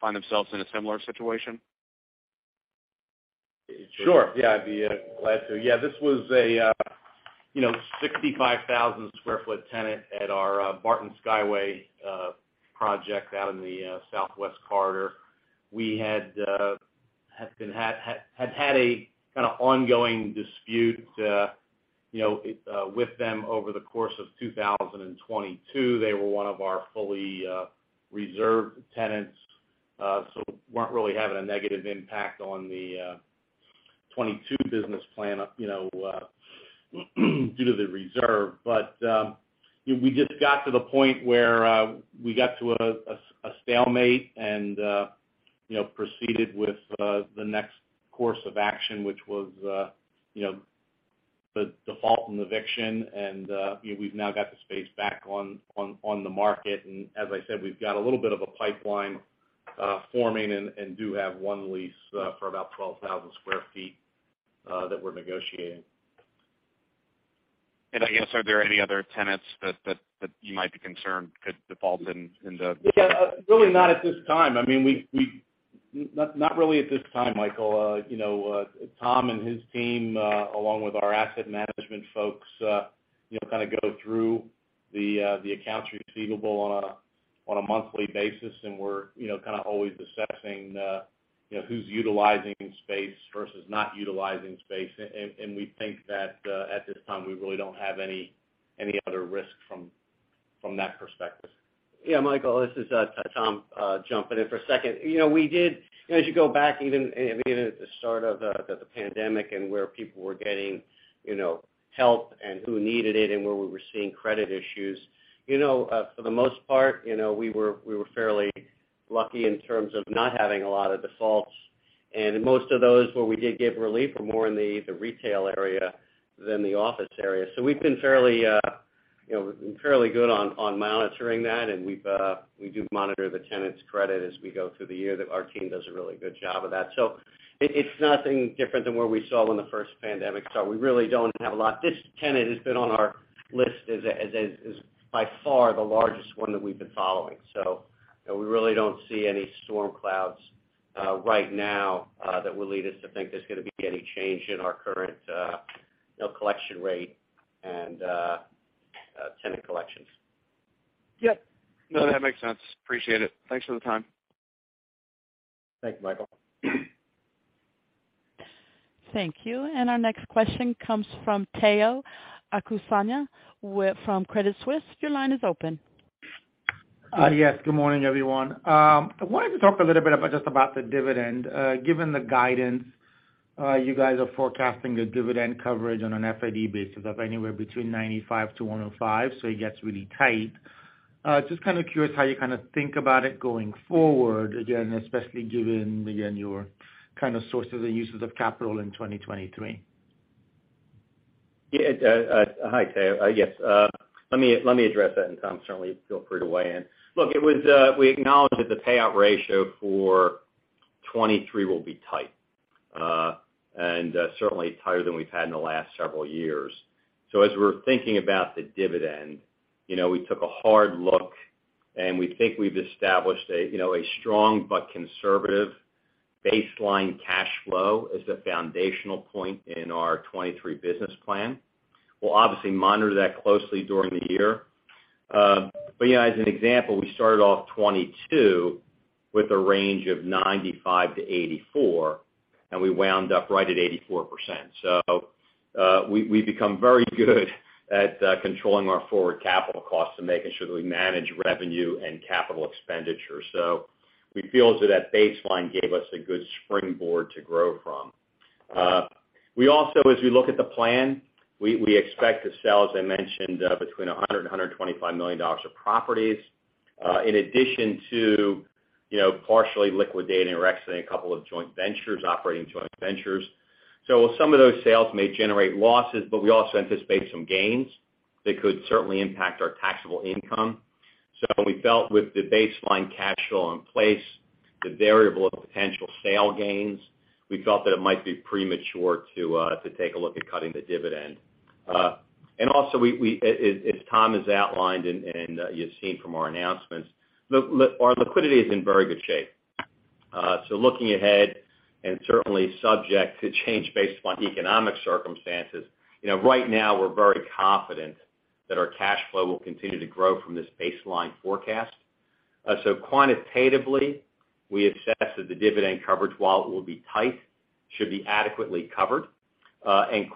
find themselves in a similar situation? Sure. Yeah, I'd be glad to. Yeah, this was a, you know, 65,000 sq ft tenant at our Barton Skyway project out in the southwest corridor. We had had a kind of ongoing dispute, you know, with them over the course of 2022. They were one of our fully reserved tenants, so weren't really having a negative impact on the 2022 business plan, you know, due to the reserve. We just got to the point where we got to a stalemate and, you know, proceeded with the next course of action, which was, you know, the default and eviction. You know, we've now got the space back on the market. As I said, we've got a little bit of a pipeline, forming and do have one lease, for about 12,000 sq ft, that we're negotiating. I guess, are there any other tenants that you might be concerned could default in? Yeah. Really not at this time. I mean, we not really at this time, Michael. You know, Tom and his team, along with our asset management folks, you know, kind of go through the accounts receivable on a monthly basis. We're, you know, kind of always assessing, you know, who's utilizing space versus not utilizing space. We think that, at this time, we really don't have any other risk from that perspective. Yeah. Michael, this is Tom jumping in for a second. You know, we did. You know, as you go back even at the start of the pandemic and where people were getting, you know, help and who needed it and where we were seeing credit issues. For the most part, you know, we were fairly lucky in terms of not having a lot of defaults. Most of those where we did give relief were more in the retail area than the office area. We've been fairly, you know, fairly good on monitoring that. We've, we do monitor the tenant's credit as we go through the year. Our team does a really good job of that. It's nothing different than what we saw in the first pandemic start. We really don't have a lot. This tenant has been on our list as by far the largest one that we've been following. You know, we really don't see any storm clouds right now, that will lead us to think there's gonna be any change in our current, you know, collection rate and tenant collections. Yep. No, that makes sense. Appreciate it. Thanks for the time. Thanks, Michael. Thank you. Our next question comes from Tayo Okusanya from Credit Suisse. Your line is open. Yes. Good morning, everyone. I wanted to talk a little bit about just about the dividend. Given the guidance, you guys are forecasting the dividend coverage on an FAD basis of anywhere between 95% and 105%. It gets really tight. Just kind of curious how you kind of think about it going forward, again, especially given, again, your kind of sources and uses of capital in 2023. Yeah. Hi, Tayo Okusanya. Yes. Let me address that, and Tom Wirth certainly feel free to weigh in. Look, we acknowledge that the payout ratio for 2023 will be tight, and certainly tighter than we've had in the last several years. As we're thinking about the dividend, you know, we took a hard look, and we think we've established a, you know, a strong but conservative baseline cash flow as the foundational point in our 2023 business plan. We'll obviously monitor that closely during the year. You know, as an example, we started off 2022 with a range of 95%-84%, and we wound up right at 84%. We've become very good at controlling our forward capital costs and making sure that we manage revenue and capital expenditure. We feel as though that baseline gave us a good springboard to grow from. We also, as we look at the plan, we expect to sell, as I mentioned, between $100 million and $125 million of properties, in addition to, you know, partially liquidating or exiting a couple of joint ventures, operating joint ventures. Some of those sales may generate losses, but we also anticipate some gains that could certainly impact our taxable income. We felt with the baseline cash flow in place, the variable of potential sale gains, we felt that it might be premature to take a look at cutting the dividend. Also we, as Tom has outlined and you've seen from our announcements, look, our liquidity is in very good shape. Looking ahead and certainly subject to change based upon economic circumstances, you know, right now we're very confident that our cash flow will continue to grow from this baseline forecast. Quantitatively, we assess that the dividend coverage, while it will be tight, should be adequately covered.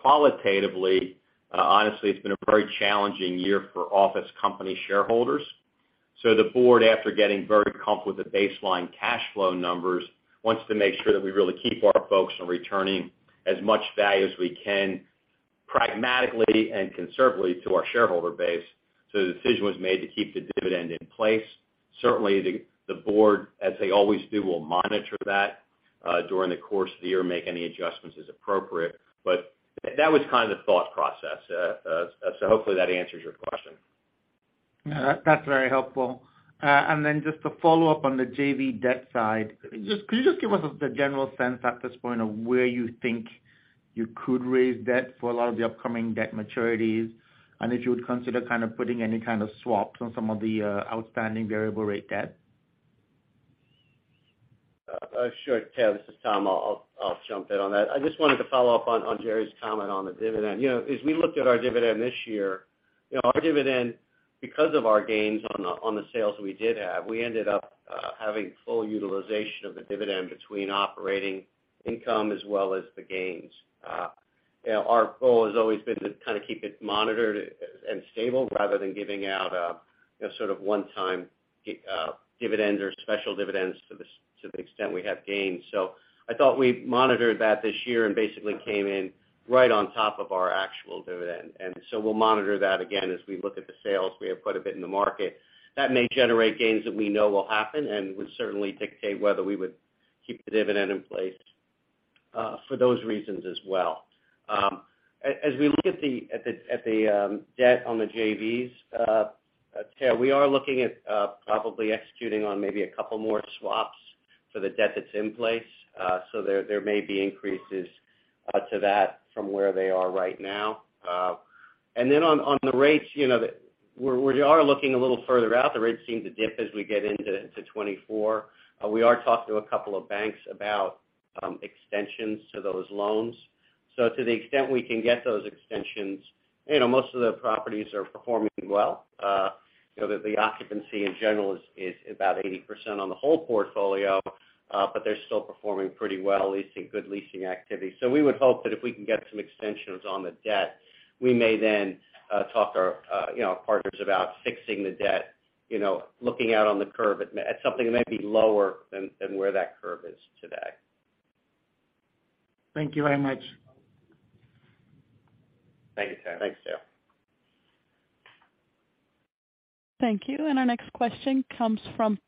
Qualitatively, honestly, it's been a very challenging year for office company shareholders. The board, after getting very comfortable with the baseline cash flow numbers, wants to make sure that we really keep our focus on returning as much value as we can pragmatically and conservatively to our shareholder base. The decision was made to keep the dividend in place. Certainly the board, as they always do, will monitor that during the course of the year, make any adjustments as appropriate. That was kind of the thought process. Hopefully that answers your question. No, that's very helpful. Then just a follow-up on the JV debt side. Could you just give us the general sense at this point of where you think you could raise debt for a lot of the upcoming debt maturities, and if you would consider kind of putting any kind of swaps on some of the outstanding variable rate debt? Sure. Tayo, this is Tom. I'll jump in on that. I just wanted to follow up on Gerard's comment on the dividend. You know, as we looked at our dividend this year. You know, our dividend, because of our gains on the sales we did have, we ended up having full utilization of the dividend between operating income as well as the gains. You know, our goal has always been to kind of keep it monitored and stable rather than giving out a, you know, sort of one-time dividend or special dividends to the extent we have gains. I thought we monitored that this year and basically came in right on top of our actual dividend. We'll monitor that again as we look at the sales. We have quite a bit in the market. That may generate gains that we know will happen, and would certainly dictate whether we would keep the dividend in place for those reasons as well. As we look at the debt on the JVs, Tayo, we are looking at probably executing on maybe a couple more swaps for the debt that's in place. There may be increases to that from where they are right now. Then on the rates, you know, we are looking a little further out. The rates seem to dip as we get into 2024. We are talking to a couple of banks about extensions to those loans. To the extent we can get those extensions, you know, most of the properties are performing well. You know, the occupancy in general is about 80% on the whole portfolio, but they're still performing pretty well, good leasing activity. We would hope that if we can get some extensions on the debt, we may then, talk our, you know, partners about fixing the debt, you know, looking out on the curve at something that may be lower than where that curve is today. Thank you very much. Thank you, Tayo. thanks, Tayo. Thank you. Our next question comes from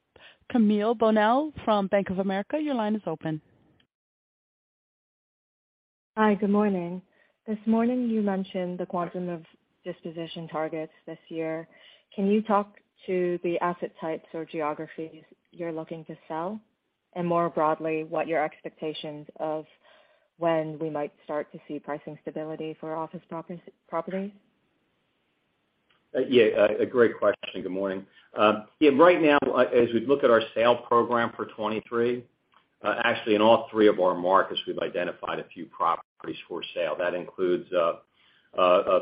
Camille Bonnel from Bank of America. Your line is open. Hi. Good morning. This morning you mentioned the quantum of disposition targets this year. Can you talk to the asset types or geographies you're looking to sell? More broadly, what your expectations of when we might start to see pricing stability for office properties? Yeah, a great question. Good morning. Yeah, right now, as we look at our sale program for 2023, actually in all three of our markets we've identified a few properties for sale. That includes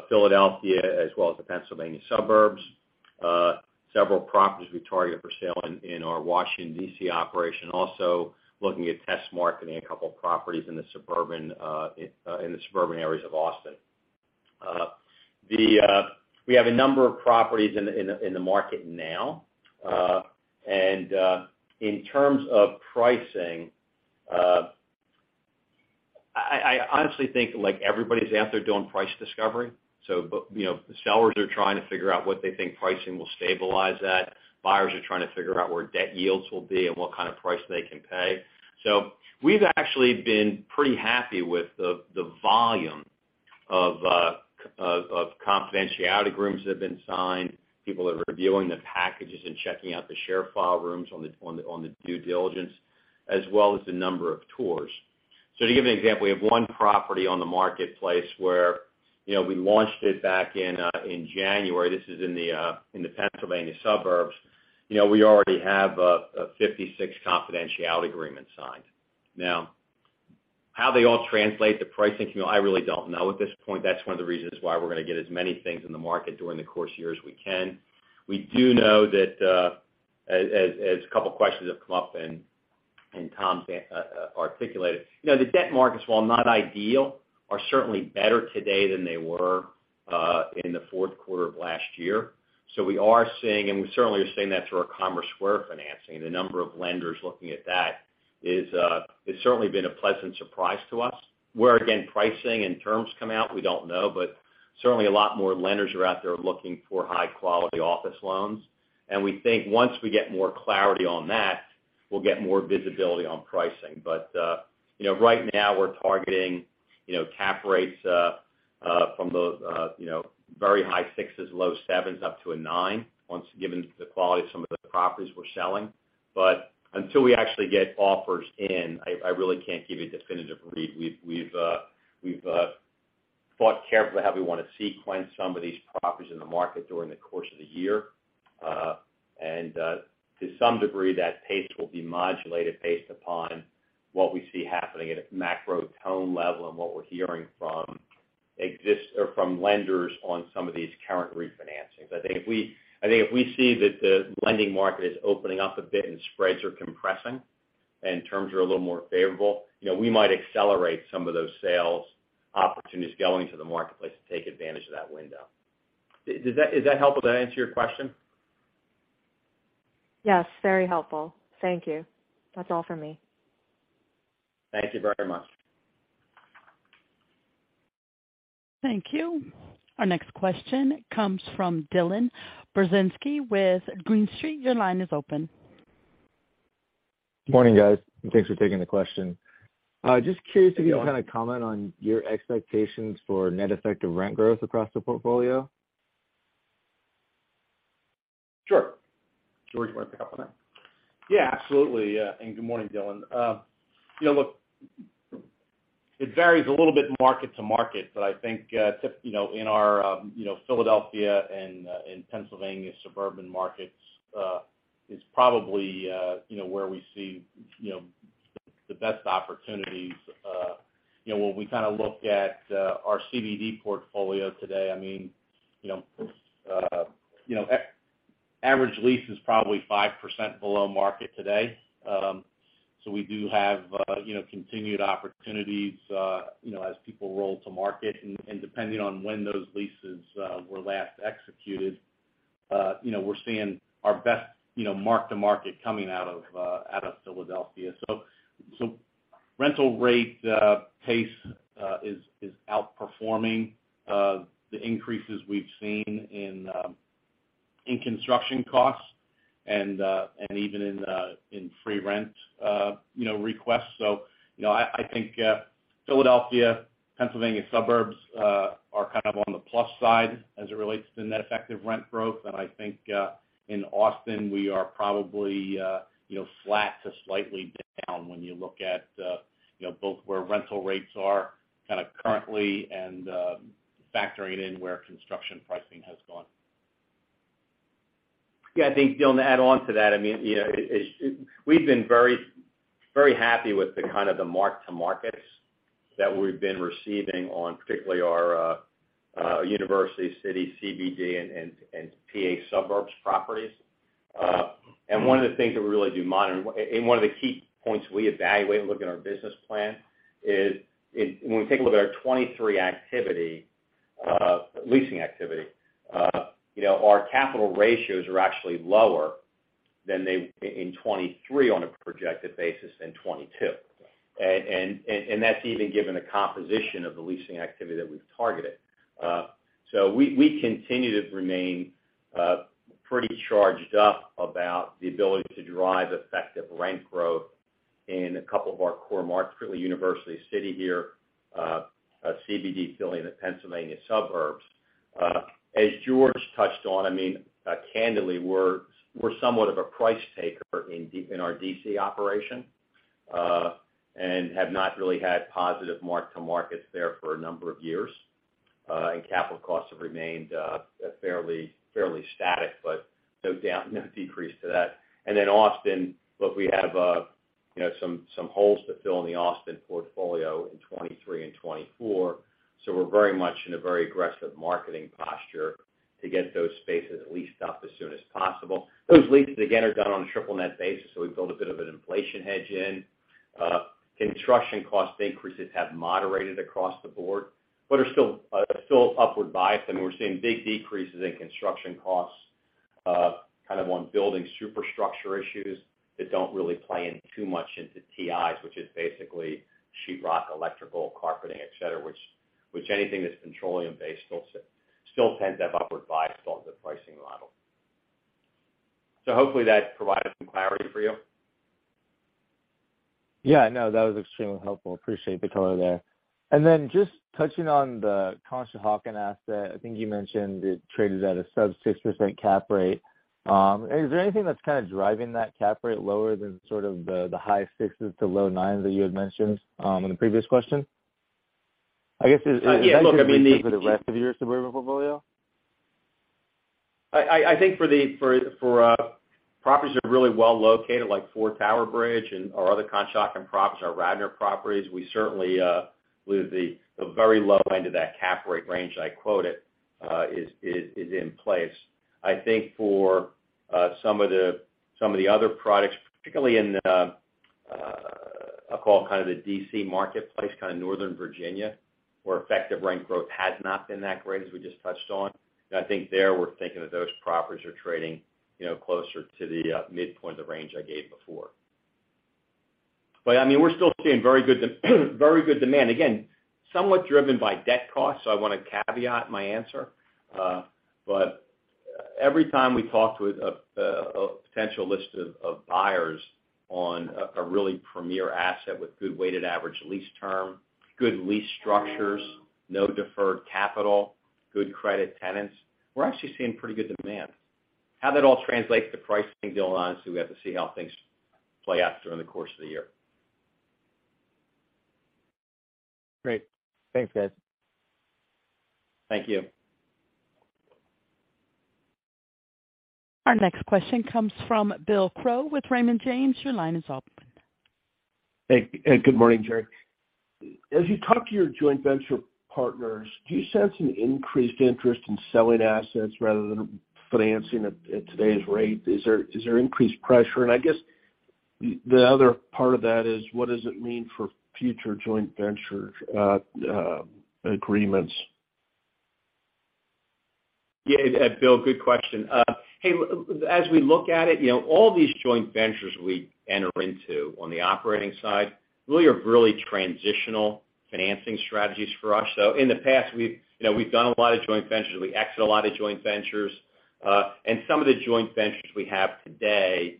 Philadelphia as well as the Pennsylvania suburbs. Several properties we targeted for sale in our Washington D.C. operation, also looking at test marketing a couple of properties in the suburban areas of Austin. The, we have a number of properties in the market now. In terms of pricing, I honestly think like everybody's out there doing price discovery. You know, the sellers are trying to figure out what they think pricing will stabilize at. Buyers are trying to figure out where debt yields will be and what kind of price they can pay. We've actually been pretty happy with the volume of confidentiality rooms that have been signed. People are reviewing the packages and checking out the share file rooms on the due diligence, as well as the number of tours. To give an example, we have one property on the marketplace where, you know, we launched it back in January. This is in the Pennsylvania suburbs. You know, we already have a 56 confidentiality agreement signed. Now, how they all translate to pricing, Camille, I really don't know at this point. That's one of the reasons why we're gonna get as many things in the market during the course of the year as we can. We do know that, as a couple questions have come up and Tom's articulated. You know, the debt markets, while not ideal, are certainly better today than they were in the fourth quarter of last year. We are seeing, and we certainly are seeing that through our Commerce Square financing. The number of lenders looking at that is certainly been a pleasant surprise to us. Where, again, pricing and terms come out, we don't know, but certainly a lot more lenders are out there looking for high-quality office loans. We think once we get more clarity on that, we'll get more visibility on pricing. You know, right now we're targeting, you know, cap rates from the, you know, very high sixes, low sevens up to a nine once given the quality of some of the properties we're selling. Until we actually get offers in, I really can't give you a definitive read. We've thought carefully how we wanna sequence some of these properties in the market during the course of the year. To some degree, that pace will be modulated based upon what we see happening at a macro tone level, and what we're hearing from exist or from lenders on some of these current refinancings. I think if we see that the lending market is opening up a bit, and spreads are compressing and terms are a little more favorable, you know, we might accelerate some of those sales opportunities going to the marketplace to take advantage of that window. Did that help? Did that answer your question? Yes, very helpful. Thank you. That's all for me. Thank you very much. Thank you. Our next question comes from Dylan Brzezinski with Green Street. Your line is open. Morning, guys. Thanks for taking the question. just curious if you. Dylan. Kind of comment on your expectations for net effect of rent growth across the portfolio. Sure. George, you wanna pick up on that? Yeah, absolutely. Good morning, Dylan. Look, it varies a little bit market to market, but I think in our Philadelphia and in Pennsylvania suburban markets is probably where we see the best opportunities. When we kind of look at our CBD portfolio today, I mean, average lease is probably 5% below market today. So we do have continued opportunities as people roll to market. And depending on when those leases were last executed, we're seeing our best mark-to-market coming out of Philadelphia Rental rate pace is outperforming the increases we've seen in construction costs and even in free rent, you know, requests. You know, I think Philadelphia, Pennsylvania suburbs are kind of on the plus side as it relates to net effective rent growth. I think in Austin, we are probably, you know, flat to slightly down when you look at, you know, both where rental rates are kind of currently and factoring in where construction pricing has gone. Yeah, I think, Dylan, to add on to that, I mean, you know, we've been very, very happy with the kind of the mark-to-markets that we've been receiving on particularly our University City CBD and PA suburbs properties. One of the things that we really do monitor, and one of the key points we evaluate when looking at our business plan is when we take a look at our 2023 activity, leasing activity, you know, our capital ratios are actually lower than in 2023 on a projected basis than 2022. That's even given the composition of the leasing activity that we've targeted. We continue to remain pretty charged up about the ability to drive effective rent growth in a couple of our core markets, particularly University City here, CBD, and the Pennsylvania suburbs. As George touched on, I mean, candidly, we're somewhat of a price taker in our D.C. operation and have not really had positive mark-to-markets there for a number of years. Capital costs have remained fairly static, but no decrease to that. Then Austin, look, we have, you know, some holes to fill in the Austin portfolio in 2023 and 2024, so we're very much in a very aggressive marketing posture to get those spaces leased up as soon as possible. Those leases, again, are done on a triple net basis, so we build a bit of an inflation hedge in. Construction cost increases have moderated across the board, but are still upward biased. I mean, we're seeing big decreases in construction costs, kind of on building superstructure issues that don't really play in too much into TIs, which is basically sheetrock, electrical, carpeting, et cetera, which anything that's petroleum-based still tends to have upward bias on the pricing model. Hopefully that provided some clarity for you. Yeah. No, that was extremely helpful. Appreciate the color there. Just touching on the Conshohocken asset, I think you mentioned it traded at a sub 6% cap rate. Is there anything that's kind of driving that cap rate lower than the high 6s to low 9s that you had mentioned in the previous question? I guess. Yeah, look, I mean. For the rest of your suburban portfolio. I think for the properties that are really well located like Four Tower Bridge and our other Conshohocken properties, our Radnor properties, we certainly believe the very low end of that cap rate range I quoted is in place. I think for some of the other products, particularly in I'll call kind of the D.C. marketplace, kind of Northern Virginia, where effective rent growth has not been that great, as we just touched on. I think there, we're thinking that those properties are trading, you know, closer to the midpoint of the range I gave before. I mean, we're still seeing very good demand. Again, somewhat driven by debt costs, so I wanna caveat my answer. Every time we talk with a potential list of buyers on a really premier asset with good weighted average lease term, good lease structures, no deferred capital, good credit tenants, we're actually seeing pretty good demand. How that all translates to pricing, Dylan, honestly we have to see how things play out during the course of the year. Great. Thanks, guys. Thank you. Our next question comes from Bill Crow with Raymond James. Your line is open. Hey, good morning, Gerard. As you talk to your joint venture partners, do you sense an increased interest in selling assets rather than financing at today's rate? Is there increased pressure? I guess the other part of that is what does it mean for future joint venture agreements? Yeah. Bill, good question. Hey, as we look at it, you know, all these joint ventures we enter into on the operating side are really transitional financing strategies for us. In the past we've, you know, we've done a lot of joint ventures. We exit a lot of joint ventures. Some of the joint ventures we have today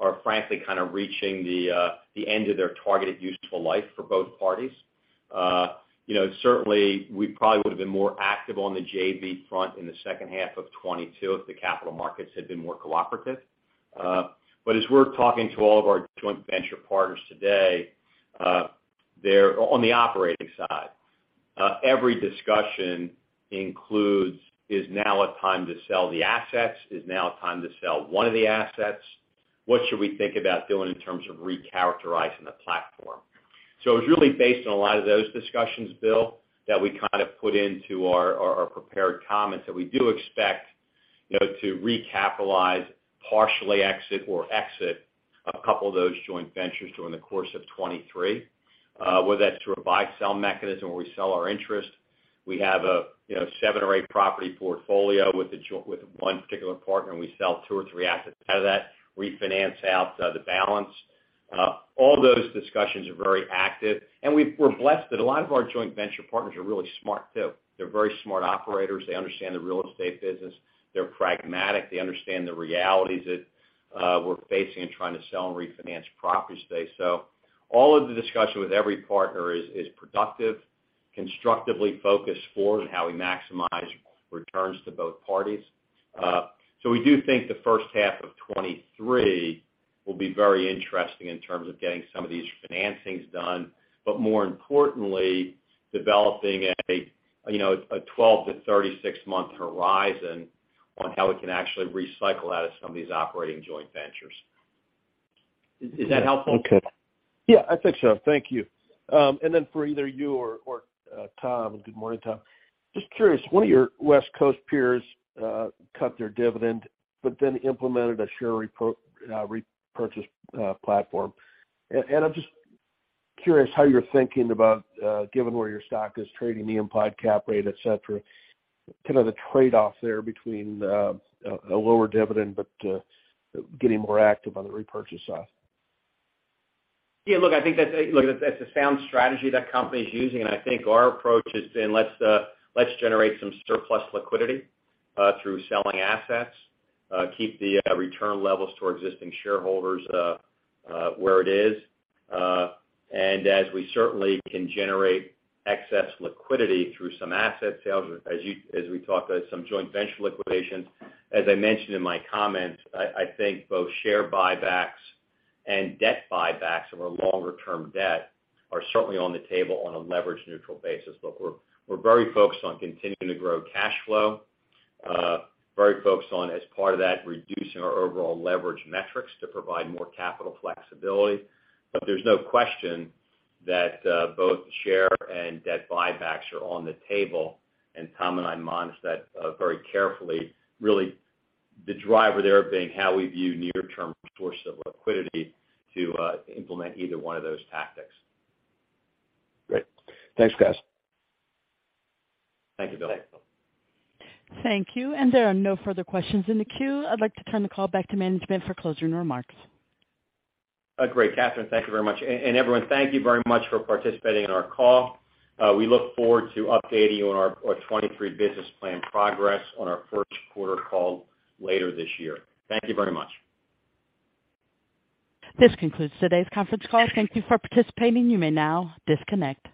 are frankly kind of reaching the end of their targeted useful life for both parties. You know, certainly we probably would've been more active on the JV front in the second half of 2022 if the capital markets had been more cooperative. As we're talking to all of our joint venture partners today, on the operating side, every discussion includes is now a time to sell the assets? Is now a time to sell one of the assets? What should we think about doing in terms of recharacterizing the platform? It was really based on a lot of those discussions, Bill, that we kind of put into our prepared comments that we do expect, you know, to recapitalize, partially exit or exit a couple of those joint ventures during the course of 2023. Whether that's through a buy-sell mechanism where we sell our interest. We have a, you know, seven or eight property portfolio with one particular partner, and we sell two or three assets out of that, refinance out the balance. All those discussions are very active, and we're blessed that a lot of our joint venture partners are really smart, too. They're very smart operators. They understand the real estate business. They're pragmatic. They understand the realities that we're facing in trying to sell and refinance properties today. All of the discussion with every partner is productive, constructively focused for and how we maximize returns to both parties. We do think the first half of 2023 will be very interesting in terms of getting some of these financings done, but more importantly, developing a, you know, a 12-36 month horizon on how we can actually recycle out of some of these operating joint ventures. Is that helpful? Okay. Yeah, I think so. Thank you. For either you or Tom. Good morning, Tom. Just curious, one of your West Coast peers cut their dividend, implemented a share repurchase platform. I'm just curious how you're thinking about given where your stock is trading, the implied cap rate, et cetera, kind of the trade-off there between a lower dividend, but getting more active on the repurchase side. Look, I think that's a sound strategy that company is using, and I think our approach has been let's generate some surplus liquidity through selling assets, keep the return levels to our existing shareholders where it is. As we certainly can generate excess liquidity through some asset sales as we talk about some joint venture liquidations. As I mentioned in my comments, I think both share buybacks and debt buybacks of our longer term debt are certainly on the table on a leverage neutral basis. We're very focused on continuing to grow cash flow, very focused on, as part of that, reducing our overall leverage metrics to provide more capital flexibility. There's no question that both share and debt buybacks are on the table, and Tom and I monitor that very carefully. Really the driver there being how we view near term sources of liquidity to implement either one of those tactics. Great. Thanks, guys. Thank you, Bill. Thank you. There are no further questions in the queue. I'd like to turn the call back to management for closing remarks. Great, Catherine. Thank you very much. Everyone, thank you very much for participating in our call. We look forward to updating you on our 2023 business plan progress on our first quarter call later this year. Thank you very much. This concludes today's conference call. Thank you for participating. You may now disconnect.